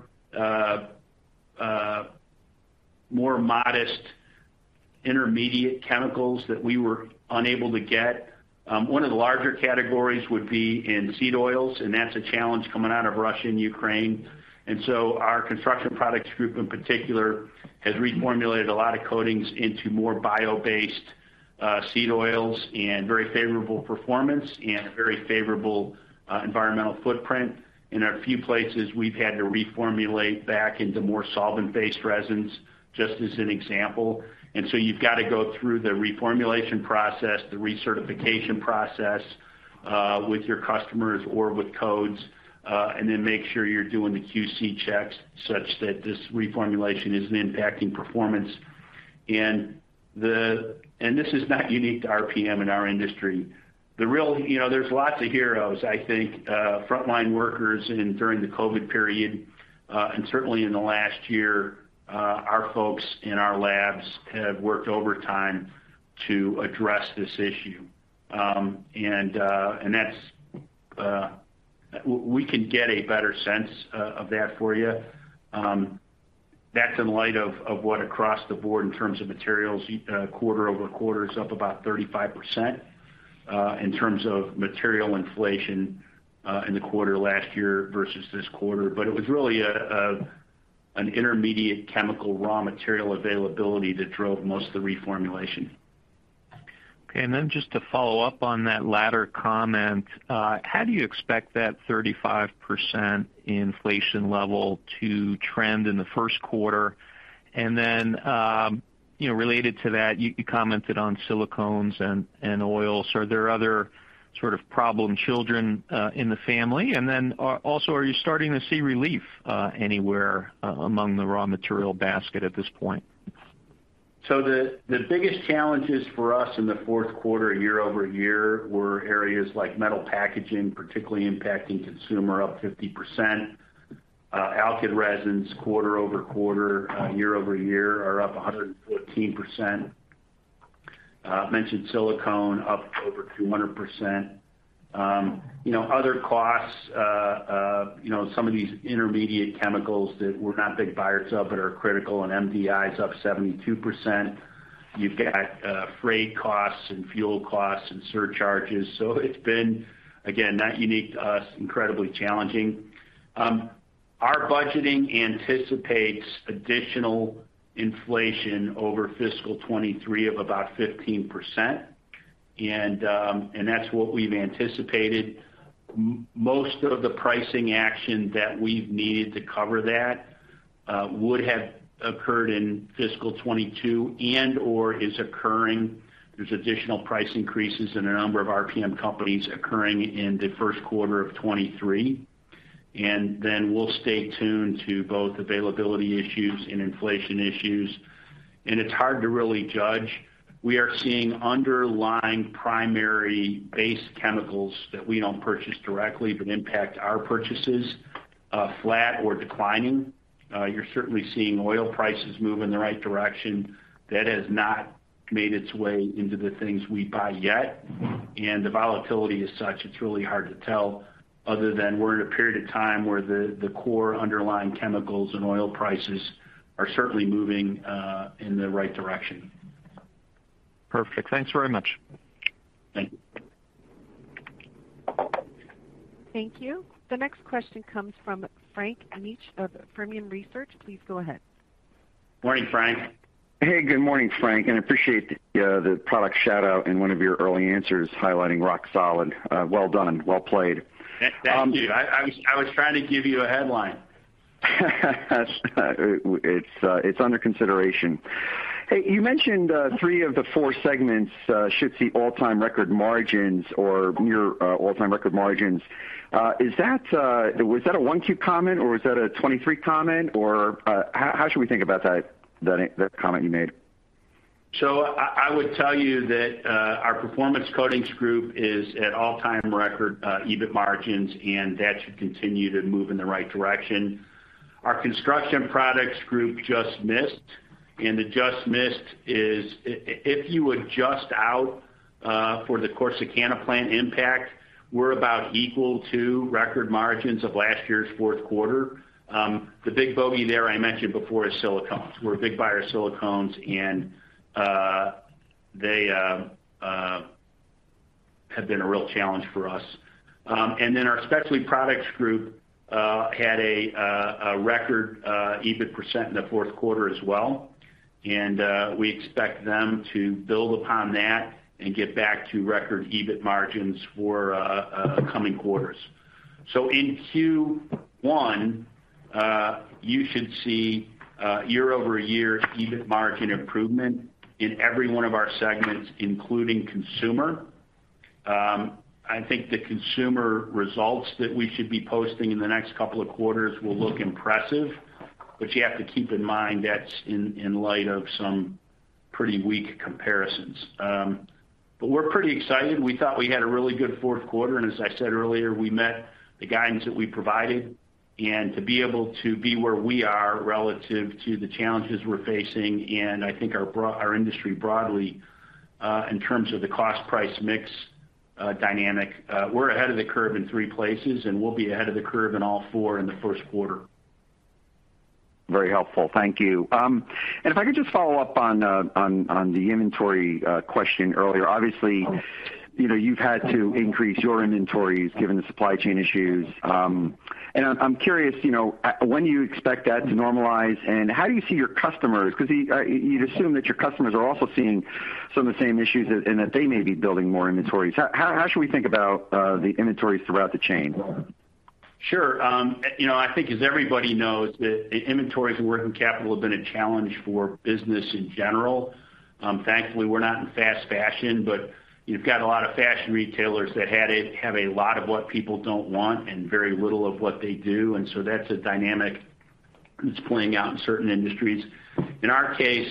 more modest intermediate chemicals that we were unable to get. One of the larger categories would be in seed oils, and that's a challenge coming out of Russia and Ukraine. Our Construction Products Group in particular has reformulated a lot of coatings into more bio-based seed oils and very favorable performance and a very favorable environmental footprint. In a few places, we've had to reformulate back into more solvent-based resins, just as an example. You've got to go through the reformulation process, the recertification process, with your customers or with codes, and then make sure you're doing the QC checks such that this reformulation isn't impacting performance. This is not unique to RPM and our industry. The real, you know, there's lots of heroes. I think, frontline workers during the COVID period, and certainly in the last year, our folks in our labs have worked overtime to address this issue. We can get a better sense of that for you. That's in light of what across the board in terms of materials, quarter-over-quarter is up about 35%, in terms of material inflation, in the quarter last year versus this quarter. It was really an intermediate chemical raw material availability that drove most of the reformulation. Okay. Just to follow up on that latter comment, how do you expect that 35% inflation level to trend in the Q1? You know, related to that, you commented on silicones and oils. Are there other sort of problem children in the family? Also, are you starting to see relief anywhere among the raw material basket at this point? The biggest challenges for us in the Q4 year-over-year were areas like metal packaging, particularly impacting consumer up 50%. Alkyd resins quarter-over-quarter, year-over-year are up 114%. Mentioned silicone up over 200%. You know, other costs, you know, some of these intermediate chemicals that we're not big buyers of but are critical, and MDI's up 72%. You've got freight costs and fuel costs and surcharges. It's been, again, not unique to us, incredibly challenging. Our budgeting anticipates additional inflation over fiscal 2023 of about 15%, and that's what we've anticipated. Most of the pricing action that we've needed to cover that would have occurred in fiscal 2022 and/or is occurring. There's additional price increases in a number of RPM companies occurring in the Q1 of 2023. We'll stay tuned to both availability issues and inflation issues. It's hard to really judge. We are seeing underlying primary base chemicals that we don't purchase directly but impact our purchases, flat or declining. You're certainly seeing oil prices move in the right direction. That has not made its way into the things we buy yet. The volatility is such, it's really hard to tell other than we're in a period of time where the core underlying chemicals and oil prices are certainly moving, in the right direction. Perfect. Thanks very much. Thank you. Thank you. The next question comes from Frank Mitsch of Fermium Research. Please go ahead. Morning, Frank. Hey, good morning, Frank, and appreciate the product shout-out in one of your early answers highlighting RockSolid. Well done. Well played. Thank you. I was trying to give you a headline. It's under consideration. Hey, you mentioned three of the four segments should see all-time record margins or near all-time record margins. Was that a 2022 comment, or was that a 2023 comment? Or how should we think about that comment you made? I would tell you that our Performance Coatings Group is at all-time record EBIT margins, and that should continue to move in the right direction. Our Construction Products Group just missed, and the just missed is if you adjust out for the Corsicana plant impact, we're about equal to record margins of last year's Q4. The big bogey there I mentioned before is silicones. We're a big buyer of silicones, and they have been a real challenge for us. Our Specialty Products Group had a record EBIT percent in the Q4 as well, and we expect them to build upon that and get back to record EBIT margins for coming quarters. In Q1, you should see year-over-year EBIT margin improvement in every one of our segments, including consumer. I think the consumer results that we should be posting in the next couple of quarters will look impressive, but you have to keep in mind that's in light of some pretty weak comparisons. We're pretty excited. We thought we had a really good Q4, and as I said earlier, we met the guidance that we provided. To be able to be where we are relative to the challenges we're facing and I think our industry broadly, in terms of the cost price mix dynamic, we're ahead of the curve in three places, and we'll be ahead of the curve in all four in the Q1. Very helpful. Thank you. If I could just follow up on the inventory question earlier. Obviously, you know, you've had to increase your inventories given the supply chain issues. I'm curious, you know, when you expect that to normalize, and how do you see your customers? Because you'd assume that your customers are also seeing some of the same issues and that they may be building more inventories. How should we think about the inventories throughout the chain? Sure. You know, I think as everybody knows that the inventories and working capital have been a challenge for business in general. Thankfully, we're not in fast fashion, but you've got a lot of fashion retailers that have a lot of what people don't want and very little of what they do. That's a dynamic that's playing out in certain industries. In our case,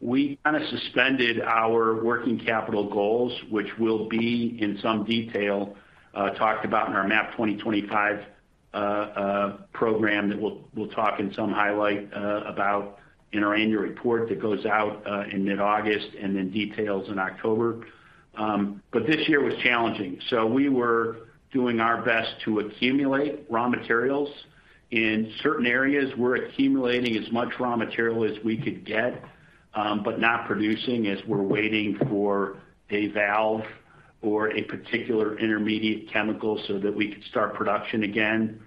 we kind of suspended our working capital goals, which will be in some detail talked about in our MAP 2025 program that we'll talk in some highlight about in our annual report that goes out in mid-August and then details in October. This year was challenging, so we were doing our best to accumulate raw materials. In certain areas, we're accumulating as much raw material as we could get, but not producing as we're waiting for a valve or a particular intermediate chemical so that we could start production again.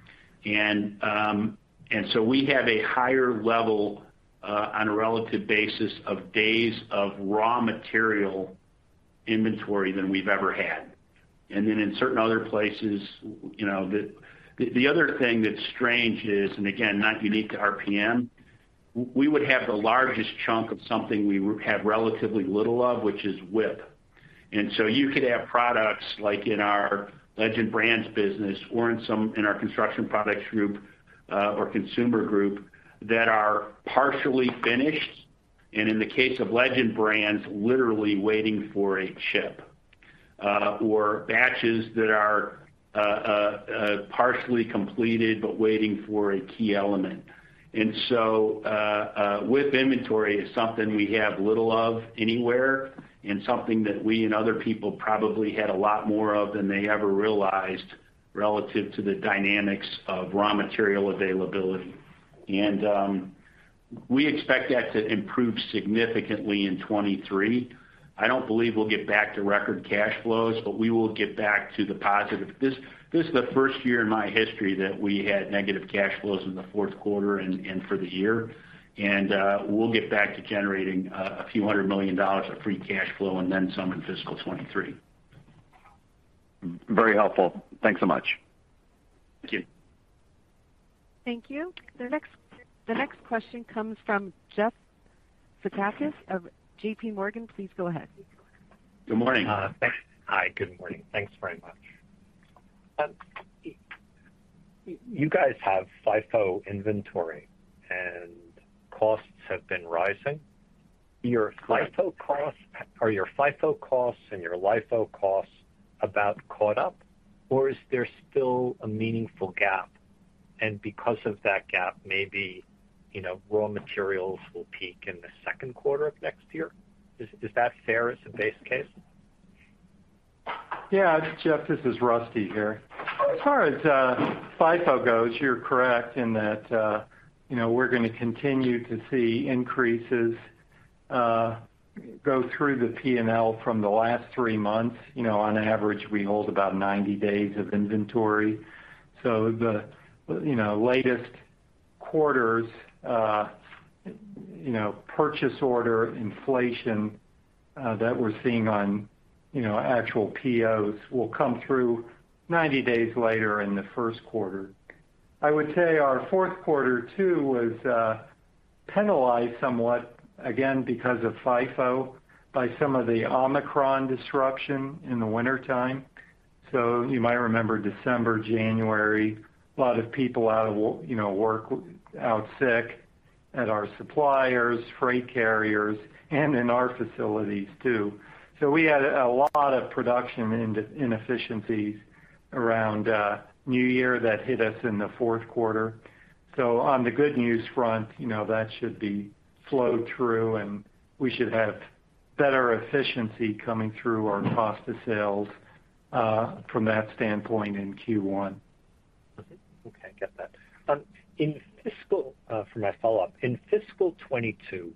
We have a higher level, on a relative basis, of days of raw material inventory than we've ever had. Then in certain other places, you know, the other thing that's strange is, and again, not unique to RPM, we would have the largest chunk of something we have relatively little of, which is WIP. You could have products like in our Legend Brands business or in some in our Construction Products Group, or Consumer Group that are partially finished, and in the case of Legend Brands, literally waiting for a chip, or batches that are partially completed but waiting for a key element. WIP inventory is something we have little of anywhere and something that we and other people probably had a lot more of than they ever realized relative to the dynamics of raw material availability. We expect that to improve significantly in 2023. I don't believe we'll get back to record cash flows, but we will get back to the positive. This is the first year in my history that we had negative cash flows in the Q4 and for the year. We'll get back to generating a few hundred million dollars of free cash flow and then some in fiscal 2023. Very helpful. Thanks so much. Thank you. Thank you. The next question comes from Jeff Zekauskas of JPMorgan. Please go ahead. Good morning. Thanks. Hi, good morning. Thanks very much. You guys have FIFO inventory, and costs have been rising. Your- Correct. FIFO costs. Are your FIFO costs and your LIFO costs about caught up, or is there still a meaningful gap? Because of that gap, maybe, you know, raw materials will peak in the Q2 of next year. Is that fair as a base case? Yeah. Jeff, this is Rusty here. As far as FIFO goes, you're correct in that, you know, we're gonna continue to see increases go through the P&L from the last three months. You know, on average, we hold about 90 days of inventory. So the, you know, latest quarters, you know, purchase order inflation, that we're seeing on, you know, actual POs will come through 90 days later in the Q1. I would say our Q4 too, was penalized somewhat, again, because of FIFO by some of the Omicron disruption in the wintertime. So you might remember December, January, a lot of people out of work, you know, out sick at our suppliers, freight carriers, and in our facilities too. So we had a lot of production inefficiencies around New Year that hit us in the Q4. On the good news front, you know, that should be flowed through, and we should have better efficiency coming through our cost of sales, from that standpoint in Q1. Okay. Get that. For my follow-up. In fiscal 2022,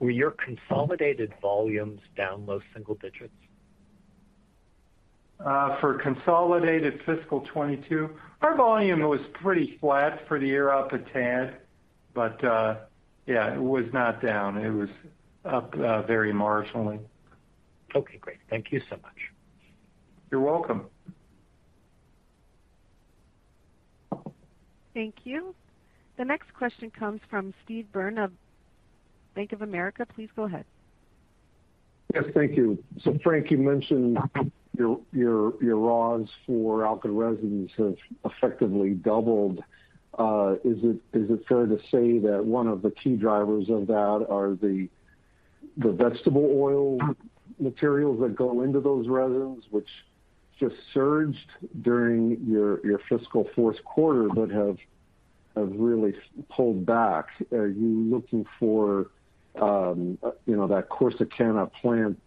were your consolidated volumes down low single digits? For consolidated fiscal 2022, our volume was pretty flat for the year, up a tad. It was not down. It was up, very marginally. Okay, great. Thank you so much. You're welcome. Thank you. The next question comes from Steve Byrne of Bank of America. Please go ahead. Yes, thank you. Frank, you mentioned your [inaudible] for alkyd resins have effectively doubled. Is it fair to say that one of the key drivers of that are the vegetable oil materials that go into those resins, which just surged during your fiscal Q4, but have really pulled back? Are you looking for, you know, that Corsicana plant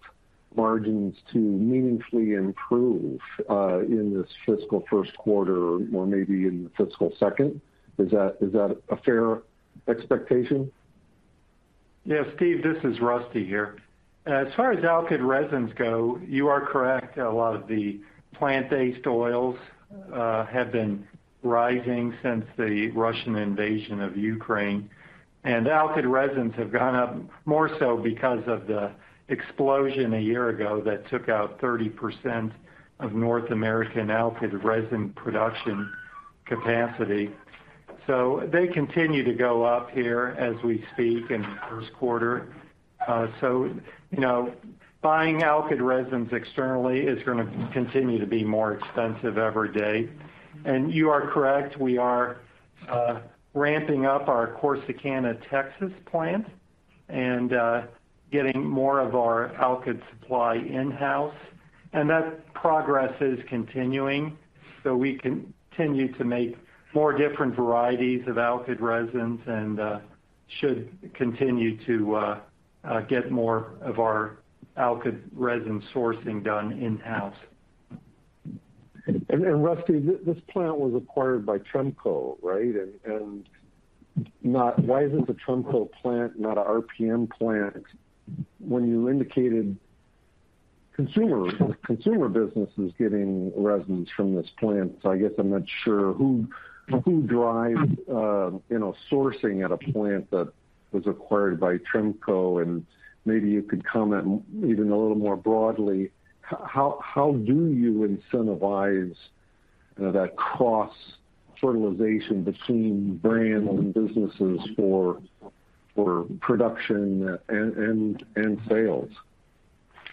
margins to meaningfully improve in this fiscal Q1 or maybe in the fiscal second? Is that a fair expectation? Yeah, Steve, this is Rusty here. As far as alkyd resins go, you are correct. A lot of the plant-based oils have been rising since the Russian invasion of Ukraine. Alkyd resins have gone up more so because of the explosion a year ago that took out 30% of North American alkyd resin production capacity. They continue to go up here as we speak in the Q1. You know, buying alkyd resins externally is gonna continue to be more expensive every day. You are correct, we are ramping up our Corsicana, Texas plant and getting more of our alkyd supply in-house. That progress is continuing, so we continue to make more different varieties of alkyd resins and should continue to get more of our alkyd resin sourcing done in-house. Rusty, this plant was acquired by Tremco, right? Why isn't the Tremco plant a RPM plant when you indicated the consumer business is getting resins from this plant? I guess I'm not sure who drives, you know, sourcing at a plant that was acquired by Tremco. Maybe you could comment even a little more broadly, how do you incentivize, you know, that cross-fertilization between brands and businesses for production and sales?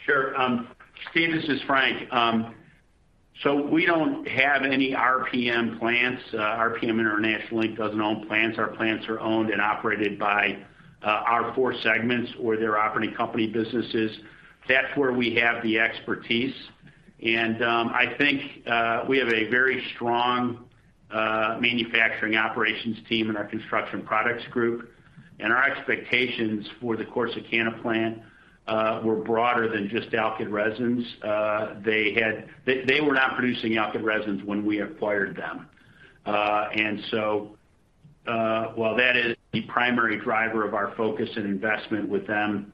Sure. Steve, this is Frank. So we don't have any RPM plants. RPM International Inc. doesn't own plants. Our plants are owned and operated by our four segments or their operating company businesses. That's where we have the expertise. I think we have a very strong manufacturing operations team in our Construction Products Group. Our expectations for the Corsicana plant were broader than just alkyd resins. They were not producing alkyd resins when we acquired them. While that is the primary driver of our focus and investment with them,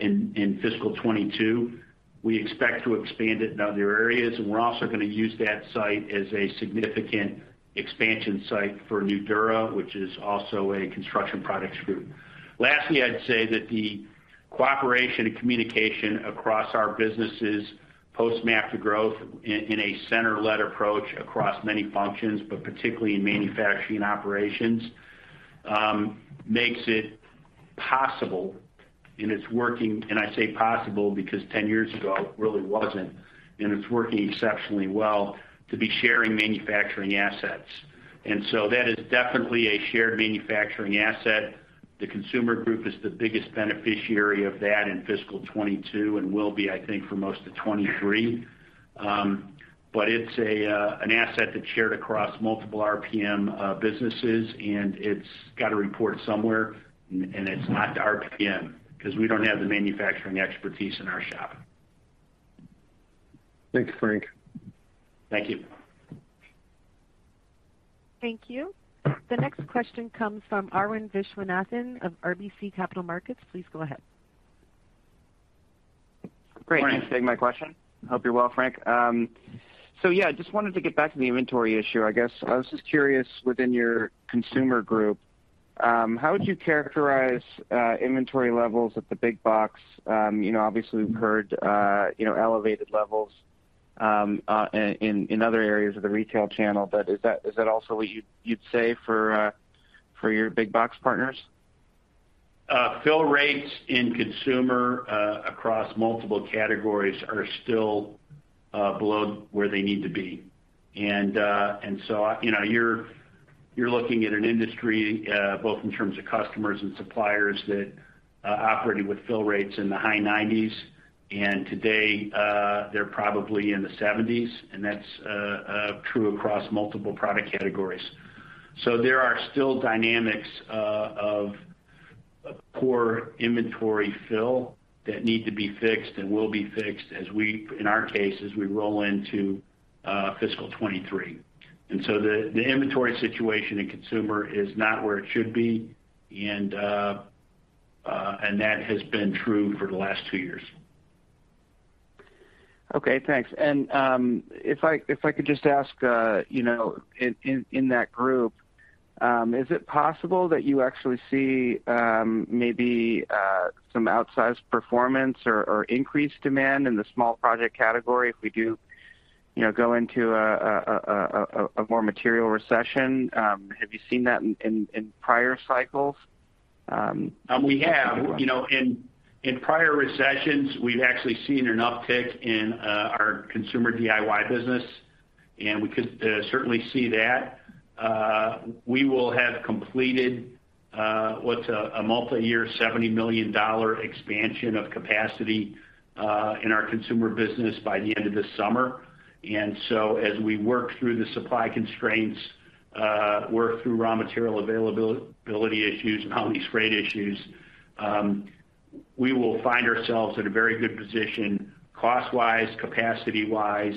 in fiscal 2022, we expect to expand it in other areas. We're also gonna use that site as a significant expansion site for Nudura, which is also a Construction Products Group. Lastly, I'd say that the cooperation and communication across our businesses post MAP to Growth in a center-led approach across many functions, but particularly in manufacturing operations, makes it possible and it's working. I say possible because ten years ago it really wasn't, and it's working exceptionally well to be sharing manufacturing assets. That is definitely a shared manufacturing asset. The Consumer Group is the biggest beneficiary of that in fiscal 2022, and will be, I think, for most of 2023. But it's an asset that's shared across multiple RPM businesses, and it's got to report somewhere and it's not to RPM 'cause we don't have the manufacturing expertise in our shop. Thanks, Frank. Thank you. Thank you. The next question comes from Arun Viswanathan of RBC Capital Markets. Please go ahead. Great. Thanks for taking my question. Hope you're well, Frank. So yeah, just wanted to get back to the inventory issue, I guess. I was just curious within your Consumer Group, how would you characterize inventory levels at the big box? You know, obviously we've heard you know, elevated levels in other areas of the retail channel, but is that also what you'd say for your big box partners? Fill rates in consumer across multiple categories are still below where they need to be. You know, you're looking at an industry both in terms of customers and suppliers that operating with fill rates in the high 90s. Today, they're probably in the 70s, and that's true across multiple product categories. There are still dynamics of poor inventory fill that need to be fixed and will be fixed in our case, as we roll into fiscal 2023. The inventory situation in consumer is not where it should be. That has been true for the last two years. Okay, thanks. If I could just ask, you know, in that group, is it possible that you actually see, maybe, some outsized performance or increased demand in the small project category if we do, you know, go into a more material recession? Have you seen that in prior cycles? We have, you know, in prior recessions, we've actually seen an uptick in our consumer DIY business, and we could certainly see that. We will have completed what's a multi-year $70 million expansion of capacity in our consumer business by the end of this summer. As we work through the supply constraints, work through raw material availability issues and all these great issues, we will find ourselves at a very good position cost-wise, capacity-wise,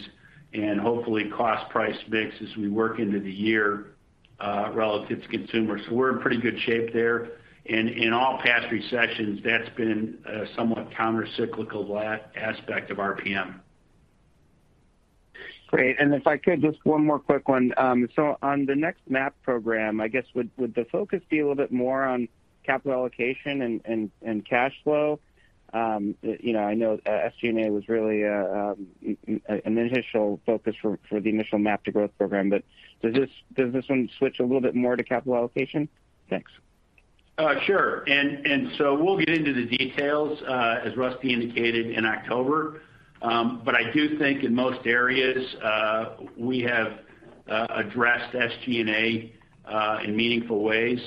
and hopefully cost price mix as we work into the year relative to consumers. We're in pretty good shape there. In all past recessions, that's been a somewhat countercyclical aspect of RPM. Great. If I could, just one more quick one. On the next MAP program, I guess, would the focus be a little bit more on capital allocation and cash flow? You know, I know SG&A was really an initial focus for the initial MAP to Growth program. Does this one switch a little bit more to capital allocation? Thanks. Sure. We'll get into the details as Rusty indicated in October. I do think in most areas we have addressed SG&A in meaningful ways.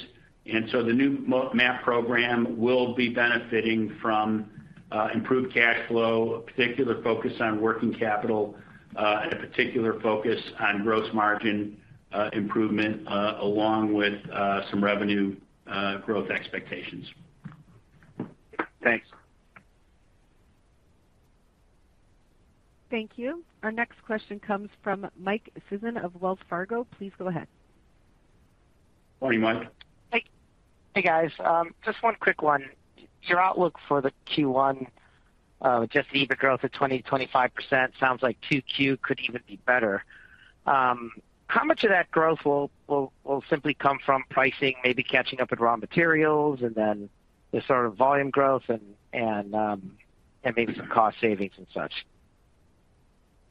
The new MAP program will be benefiting from improved cash flow, a particular focus on working capital, and a particular focus on gross margin improvement along with some revenue growth expectations. Thanks. Thank you. Our next question comes from Michael Sison of Wells Fargo. Please go ahead. Morning, Mike. Hi. Hey, guys. Just one quick one. Your outlook for the Q1 just EBIT growth of 20%-25% sounds like 2Q could even be better. How much of that growth will simply come from pricing, maybe catching up with raw materials, and then the sort of volume growth and maybe some cost savings and such?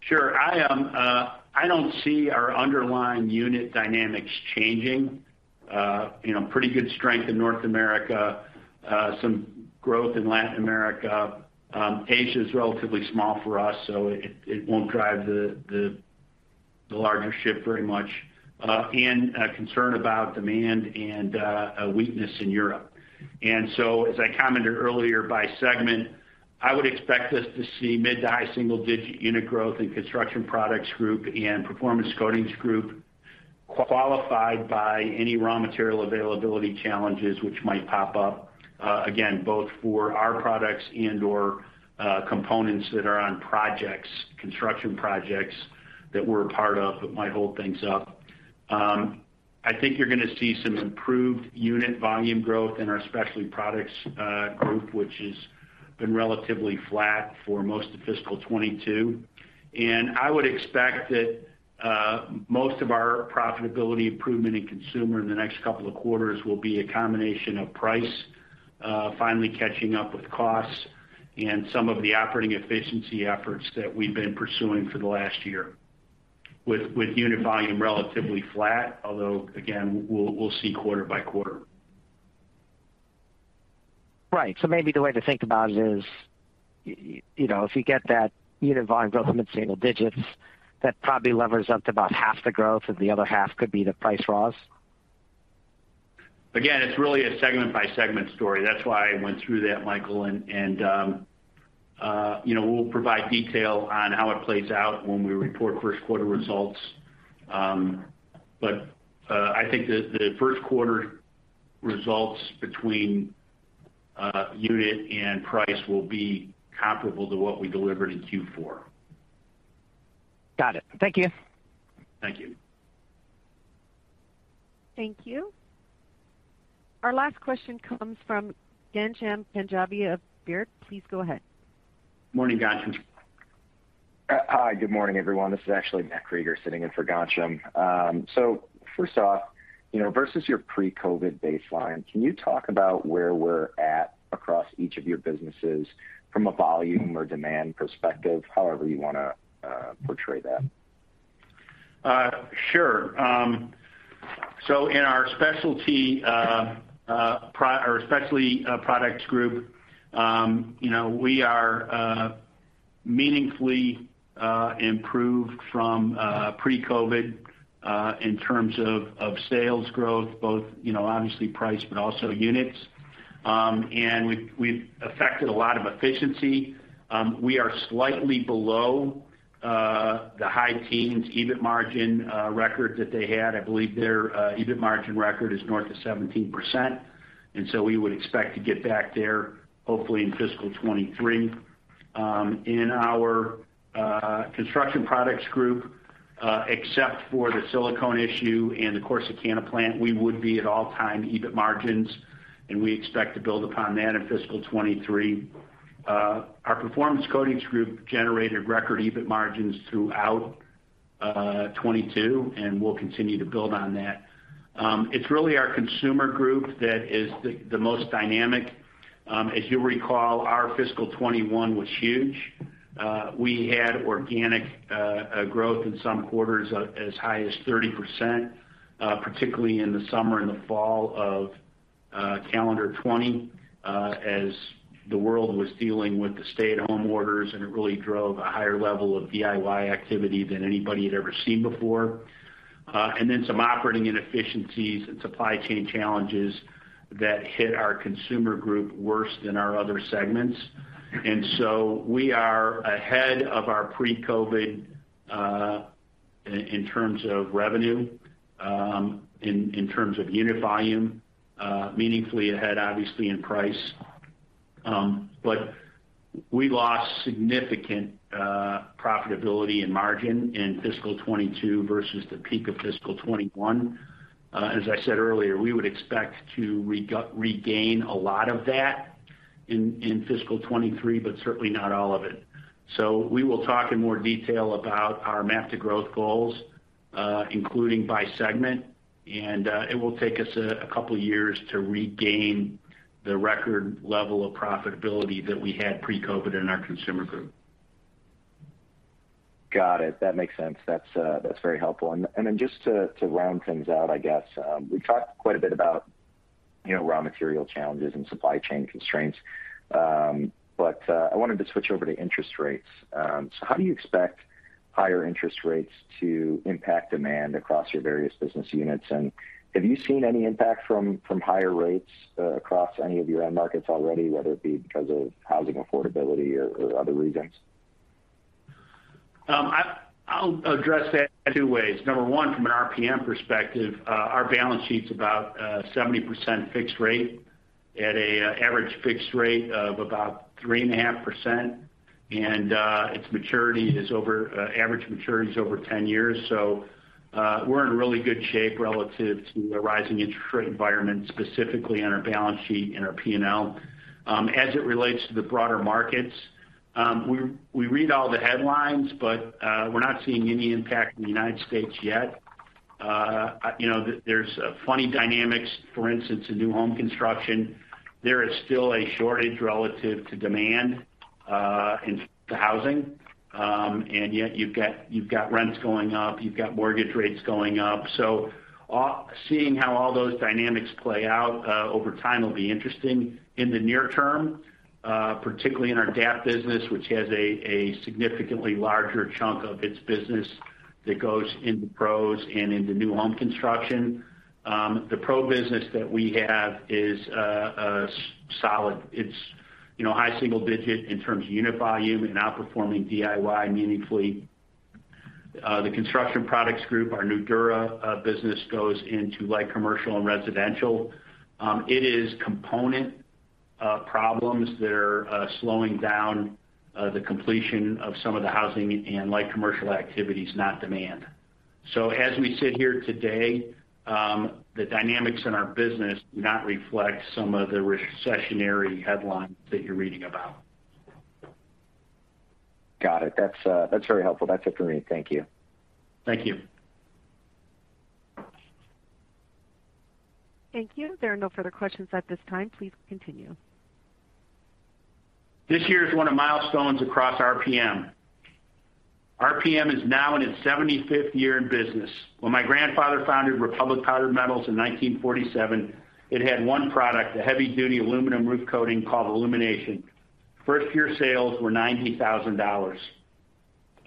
Sure. I don't see our underlying unit dynamics changing. You know, pretty good strength in North America, some growth in Latin America. Asia is relatively small for us, so it won't drive the larger ship very much. A concern about demand and a weakness in Europe. As I commented earlier by segment, I would expect us to see mid- to high-single-digit unit growth in Construction Products Group and Performance Coatings Group, qualified by any raw material availability challenges which might pop up again, both for our products and/or components that are on projects, construction projects that we're a part of that might hold things up. I think you're gonna see some improved unit volume growth in our Specialty Products Group, which has been relatively flat for most of fiscal 2022. I would expect that most of our profitability improvement in consumer in the next couple of quarters will be a combination of price finally catching up with costs and some of the operating efficiency efforts that we've been pursuing for the last year with unit volume relatively flat. Although, again, we'll see quarter-by-quarter. Right. Maybe the way to think about it is, you know, if you get that unit volume growth in mid-single digits, that probably levers up to about half the growth, and the other half could be the price rise. Again, it's really a segment by segment story. That's why I went through that, Michael. You know, we'll provide detail on how it plays out when we report Q1 results. I think the Q1 results between unit and price will be comparable to what we delivered in Q4. Got it. Thank you. Thank you. Thank you. Our last question comes from Ghansham Panjabi of Baird. Please go ahead. Morning, Ghansham. Hi, good morning, everyone. This is actually Matt [inaudible] sitting in for Ghansham. First off, you know, versus your pre-COVID baseline, can you talk about where we're at across each of your businesses from a volume or demand perspective, however you wanna portray that? Sure. In our Specialty Products Group, you know, we are meaningfully improved from pre-COVID in terms of sales growth, both, you know, obviously price, but also units. We've effected a lot of efficiency. We are slightly below the high teens EBIT margin record that they had. I believe their EBIT margin record is north of 17%, and we would expect to get back there hopefully in fiscal 2023. In our Construction Products Group, except for the silicone issue and the Corsicana plant, we would be at all-time EBIT margins, and we expect to build upon that in fiscal 2023. Our Performance Coatings Group generated record EBIT margins throughout 2022, and we'll continue to build on that. It's really our Consumer Group that is the most dynamic. As you'll recall, our fiscal 2021 was huge. We had organic growth in some quarters as high as 30%, particularly in the summer and the fall of calendar 2020, as the world was dealing with the stay-at-home orders, and it really drove a higher level of DIY activity than anybody had ever seen before. Some operating inefficiencies and supply chain challenges hit our Consumer Group worse than our other segments. We are ahead of our pre-COVID in terms of revenue, in terms of unit volume, meaningfully ahead obviously in price. We lost significant profitability and margin in fiscal 2022 versus the peak of fiscal 2021. As I said earlier, we would expect to regain a lot of that in fiscal 2023, but certainly not all of it. We will talk in more detail about our MAP to Growth goals, including by segment, and it will take us a couple years to regain the record level of profitability that we had pre-COVID in our Consumer Group. Got it. That makes sense. That's very helpful. Then just to round things out, I guess, we talked quite a bit about, you know, raw material challenges and supply chain constraints. I wanted to switch over to interest rates. How do you expect higher interest rates to impact demand across your various business units? Have you seen any impact from higher rates across any of your end markets already, whether it be because of housing affordability or other reasons? I'll address that two ways. Number one, from an RPM perspective, our balance sheet's about 70% fixed rate at an average fixed rate of about 3.5%. Its average maturity is over 10 years. We're in really good shape relative to the rising interest rate environment, specifically on our balance sheet and our P&L. As it relates to the broader markets, we read all the headlines, but we're not seeing any impact in the United States yet. You know, there's funny dynamics, for instance, in new home construction. There is still a shortage relative to demand in housing. Yet you've got rents going up, you've got mortgage rates going up. Seeing how all those dynamics play out over time will be interesting in the near term, particularly in our DAP business, which has a significantly larger chunk of its business that goes into pros and into new home construction. The pro business that we have is solid. It's, you know, high single digit in terms of unit volume and outperforming DIY meaningfully. The Construction Products Group, our Nudura business goes into light commercial and residential. It is component problems that are slowing down the completion of some of the housing and light commercial activities, not demand. As we sit here today, the dynamics in our business do not reflect some of the recessionary headlines that you're reading about. Got it. That's very helpful. That's it for me. Thank you. Thank you. Thank you. There are no further questions at this time. Please continue. This year is one of milestones across RPM. RPM is now in its 75th year in business. When my grandfather founded Republic Powdered Metals in 1947, it had one product, a heavy-duty aluminum roof coating called Alumanation. First year sales were $90,000.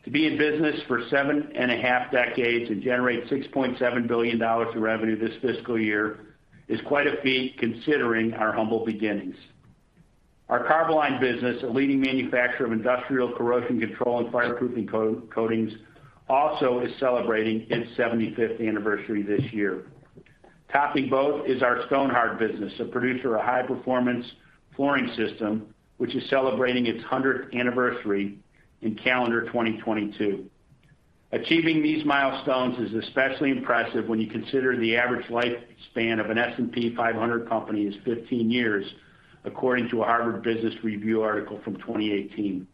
To be in business for 7.5 decades and generate $6.7 billion in revenue this fiscal year is quite a feat considering our humble beginnings. Our Carboline business, a leading manufacturer of industrial corrosion control and fireproofing coatings, also is celebrating its 75th anniversary this year. Topping both is our Stonhard business, a producer of high-performance flooring system, which is celebrating its 100th anniversary in calendar 2022. Achieving these milestones is especially impressive when you consider the average lifespan of an S&P 500 company is 15 years, according to a Harvard Business Review article from 2018.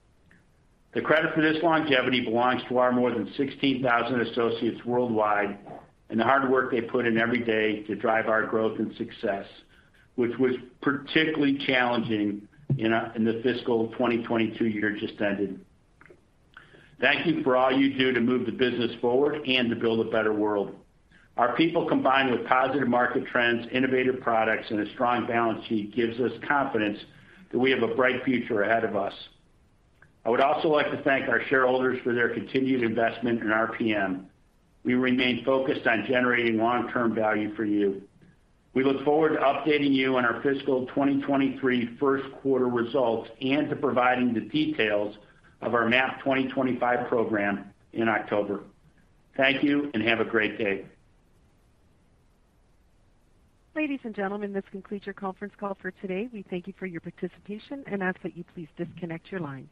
The credit for this longevity belongs to our more than 16,000 associates worldwide and the hard work they put in every day to drive our growth and success, which was particularly challenging in the fiscal 2022 year just ended. Thank you for all you do to move the business forward and to build a better world. Our people, combined with positive market trends, innovative products, and a strong balance sheet, gives us confidence that we have a bright future ahead of us. I would also like to thank our shareholders for their continued investment in RPM. We remain focused on generating long-term value for you. We look forward to updating you on our fiscal 2023 Q1 results and to providing the details of our MAP 2025 program in October. Thank you, and have a great day. Ladies and gentlemen, this concludes your conference call for today. We thank you for your participation and ask that you please disconnect your line.